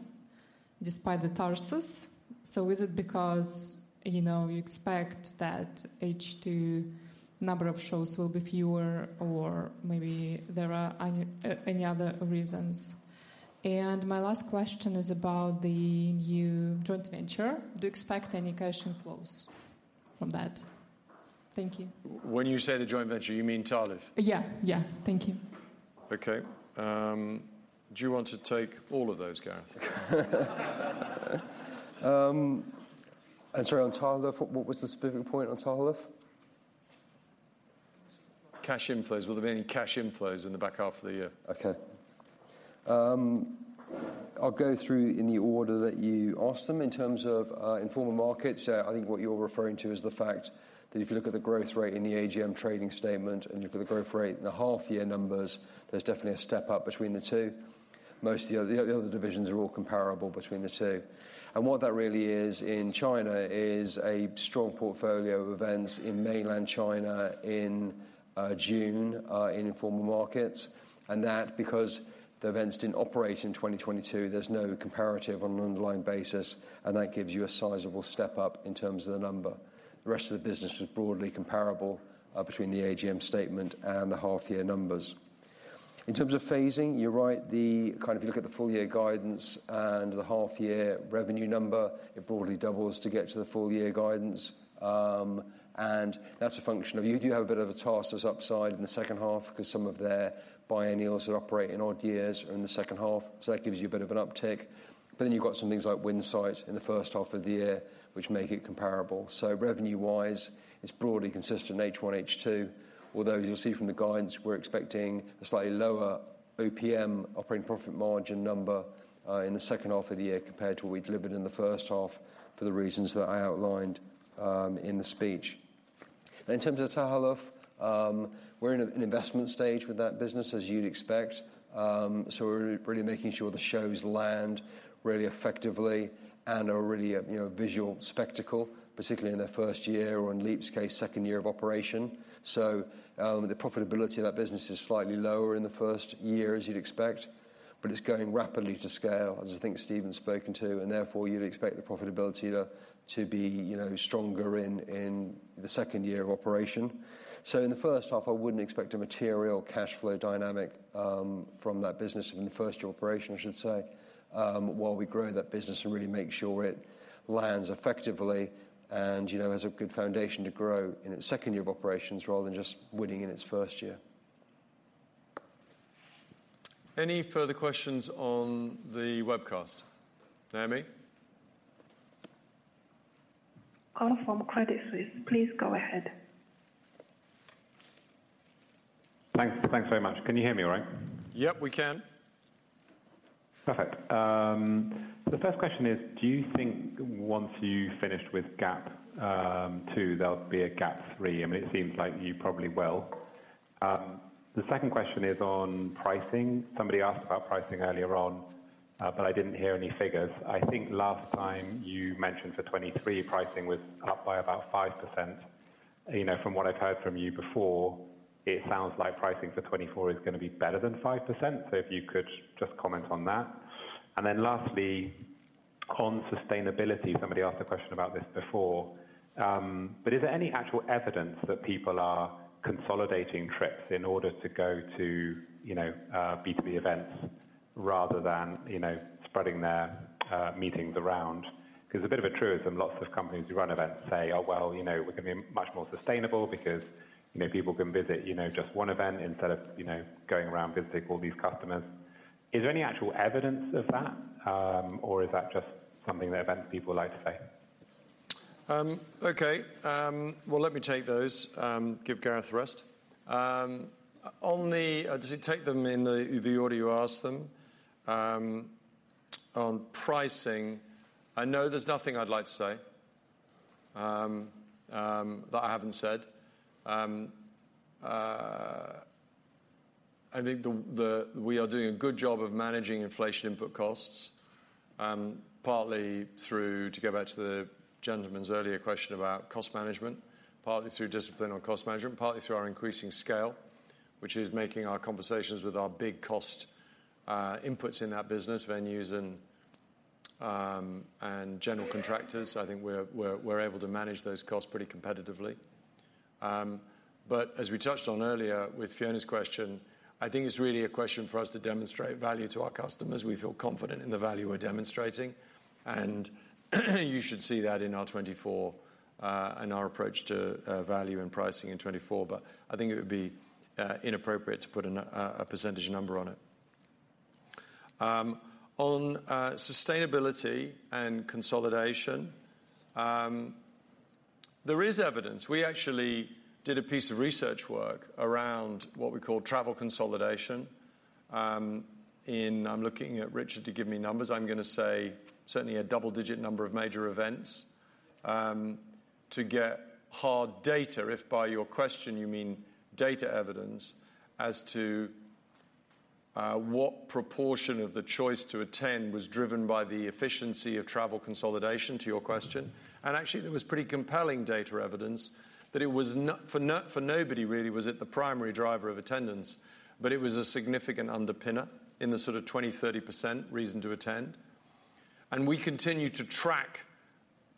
despite the Tarsus. Is it because, you know, you expect that H2 number of shows will be fewer or maybe there are any other reasons? My last question is about the new joint venture. Do you expect any cash inflows from that? Thank you. When you say the joint venture, you mean Tahaluf? Yeah. Yeah. Thank you. Do you want to take all of those, Gareth? I'm sorry, on Tahaluf, what was the specific point on Tahaluf? Cash inflows. Will there be any cash inflows in the back half of the year? Okay. I'll go through in the order that you asked them. In terms of Informa Markets, I think what you're referring to is the fact that if you look at the growth rate in the AGM trading statement and you look at the growth rate in the half year numbers, there's definitely a step up between the two. The other divisions are all comparable between the two. What that really is in China is a strong portfolio of events in mainland China in June in Informa Markets, and that because the events didn't operate in 2022, there's no comparative on an underlying basis, and that gives you a sizable step up in terms of the number. The rest of the business was broadly comparable between the AGM statement and the half year numbers. In terms of phasing, you're right. kind of you look at the full year guidance and the half year revenue number, it broadly doubles to get to the full year guidance. That's a function of you. You do have a bit of a task that's upside in the second half, because some of their biennials that operate in odd years are in the second half, that gives you a bit of an uptick. You've got some things like Winsight in the first half of the year, which make it comparable. Revenue-wise, it's broadly consistent, H1, H2, although you'll see from the guidance, we're expecting a slightly lower OPM, operating profit margin number, in the second half of the year, compared to what we delivered in the first half, for the reasons that I outlined in the speech. In terms of Tahaluf, we're in an investment stage with that business, as you'd expect. We're really making sure the shows land really effectively and are really a, you know, visual spectacle, particularly in their first year, or in LEAP's case, second year of operation. The profitability of that business is slightly lower in the first year, as you'd expect, but it's going rapidly to scale, as I think Steve's spoken to, and therefore, you'd expect the profitability to be, you know, stronger in the second year of operation. In the first half, I wouldn't expect a material cash flow dynamic, from that business in the first year operation, I should say, while we grow that business and really make sure it lands effectively and, you know, has a good foundation to grow in its second year of operations rather than just winning in its first year. Any further questions on the webcast? Naomi? Call from Credit Suisse. Please go ahead. Thanks. Thanks very much. Can you hear me all right? Yep, we can. Perfect. The first question is, do you think once you've finished with GAP 2, there'll be a GAP 3? I mean, it seems like you probably will. The second question is on pricing. Somebody asked about pricing earlier on, but I didn't hear any figures. I think last time you mentioned for 2023, pricing was up by about 5%. You know, from what I've heard from you before, it sounds like pricing for 2024 is gonna be better than 5%. If you could just comment on that. Lastly, on sustainability, somebody asked a question about this before, but is there any actual evidence that people are consolidating trips in order to go to, you know, B2B events rather than, you know, spreading their meetings around? A bit of a truism, lots of companies who run events say: "Oh, well, you know, we're gonna be much more sustainable because, you know, people can visit, you know, just one event instead of, you know, going around visiting all these customers." Is there any actual evidence of that, or is that just something that event people like to say? Okay. Well, let me take those, give Gareth a rest. Just take them in the order you asked them. On pricing, I know there's nothing I'd like to say that I haven't said. I think we are doing a good job of managing inflation input costs, partly through, to go back to the gentleman's earlier question about cost management, partly through discipline on cost management, partly through our increasing scale, which is making our conversations with our big cost inputs in that business, venues and general contractors. I think we're able to manage those costs pretty competitively. As we touched on earlier with Fiona's question, I think it's really a question for us to demonstrate value to our customers. We feel confident in the value we're demonstrating, and you should see that in our 2024 and our approach to value and pricing in 2024. I think it would be inappropriate to put a percentage number on it. On sustainability and consolidation, there is evidence. We actually did a piece of research work around what we call travel consolidation. In, I'm gonna say certainly a double-digit number of major events to get hard data, if by your question you mean data evidence as to what proportion of the choice to attend was driven by the efficiency of travel consolidation, to your question. Actually, there was pretty compelling data evidence that it was for nobody really was it the primary driver of attendance, but it was a significant underpinner in the sort of 20%, 30% reason to attend. We continue to track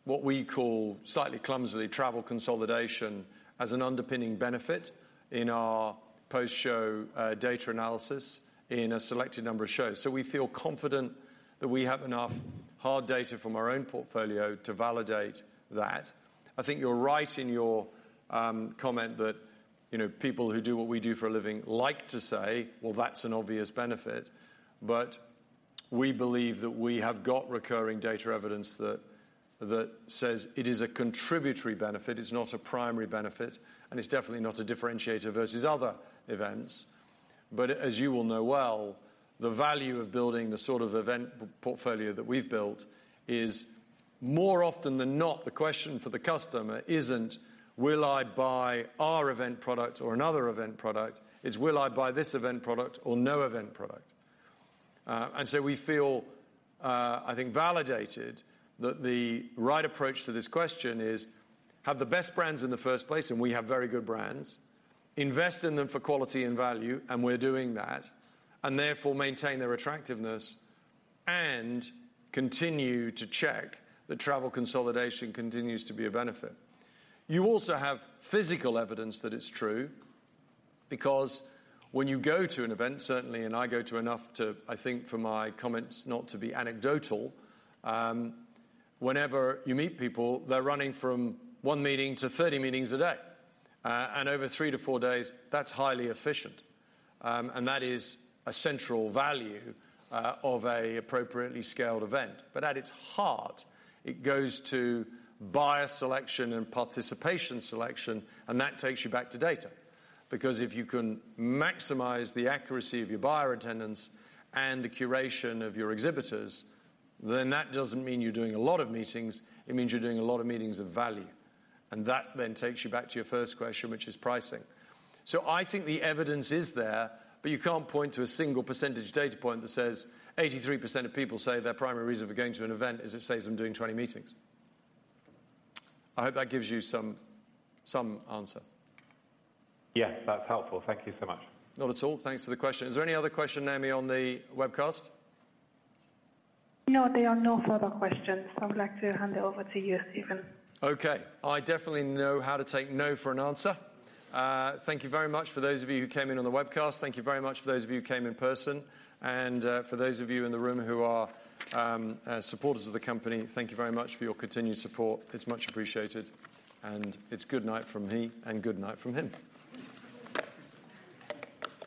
what we call, slightly clumsily, travel consolidation as an underpinning benefit in our post-show data analysis in a selected number of shows. We feel confident that we have enough hard data from our own portfolio to validate that. I think you're right in your comment that, you know, people who do what we do for a living like to say, "Well, that's an obvious benefit." We believe that we have got recurring data evidence that says it is a contributory benefit, it's not a primary benefit, and it's definitely not a differentiator versus other events. As you all know well, the value of building the sort of event portfolio that we've built is more often than not, the question for the customer isn't, "Will I buy our event product or another event product?" It's, "Will I buy this event product or no event product?" We feel, I think, validated that the right approach to this question is, have the best brands in the first place, and we have very good brands. Invest in them for quality and value, and we're doing that, and therefore maintain their attractiveness and continue to check that travel consolidation continues to be a benefit. You also have physical evidence that it's true, because when you go to an event, certainly, and I go to enough to, I think, for my comments not to be anecdotal, whenever you meet people, they're running from one meeting to 30 meetings a day. Over three to four days, that's highly efficient. That is a central value of a appropriately scaled event. At its heart, it goes to buyer selection and participation selection, that takes you back to data. If you can maximize the accuracy of your buyer attendance and the curation of your exhibitors, that doesn't mean you're doing a lot of meetings, it means you're doing a lot of meetings of value. That takes you back to your first question, which is pricing. I think the evidence is there, but you can't point to a single percentage data point that says, 83% of people say their primary reason for going to an event is it saves them doing 20 meetings. I hope that gives you some answer. Yeah, that's helpful. Thank you so much. Not at all. Thanks for the question. Is there any other question, Naomi, on the webcast? No, there are no further questions. I would like to hand it over to you, Steve. Okay, I definitely know how to take no for an answer. Thank you very much for those of you who came in on the webcast. Thank you very much for those of you who came in person. For those of you in the room who are supporters of the company, thank you very much for your continued support. It's much appreciated, and it's good night from me and good night from him.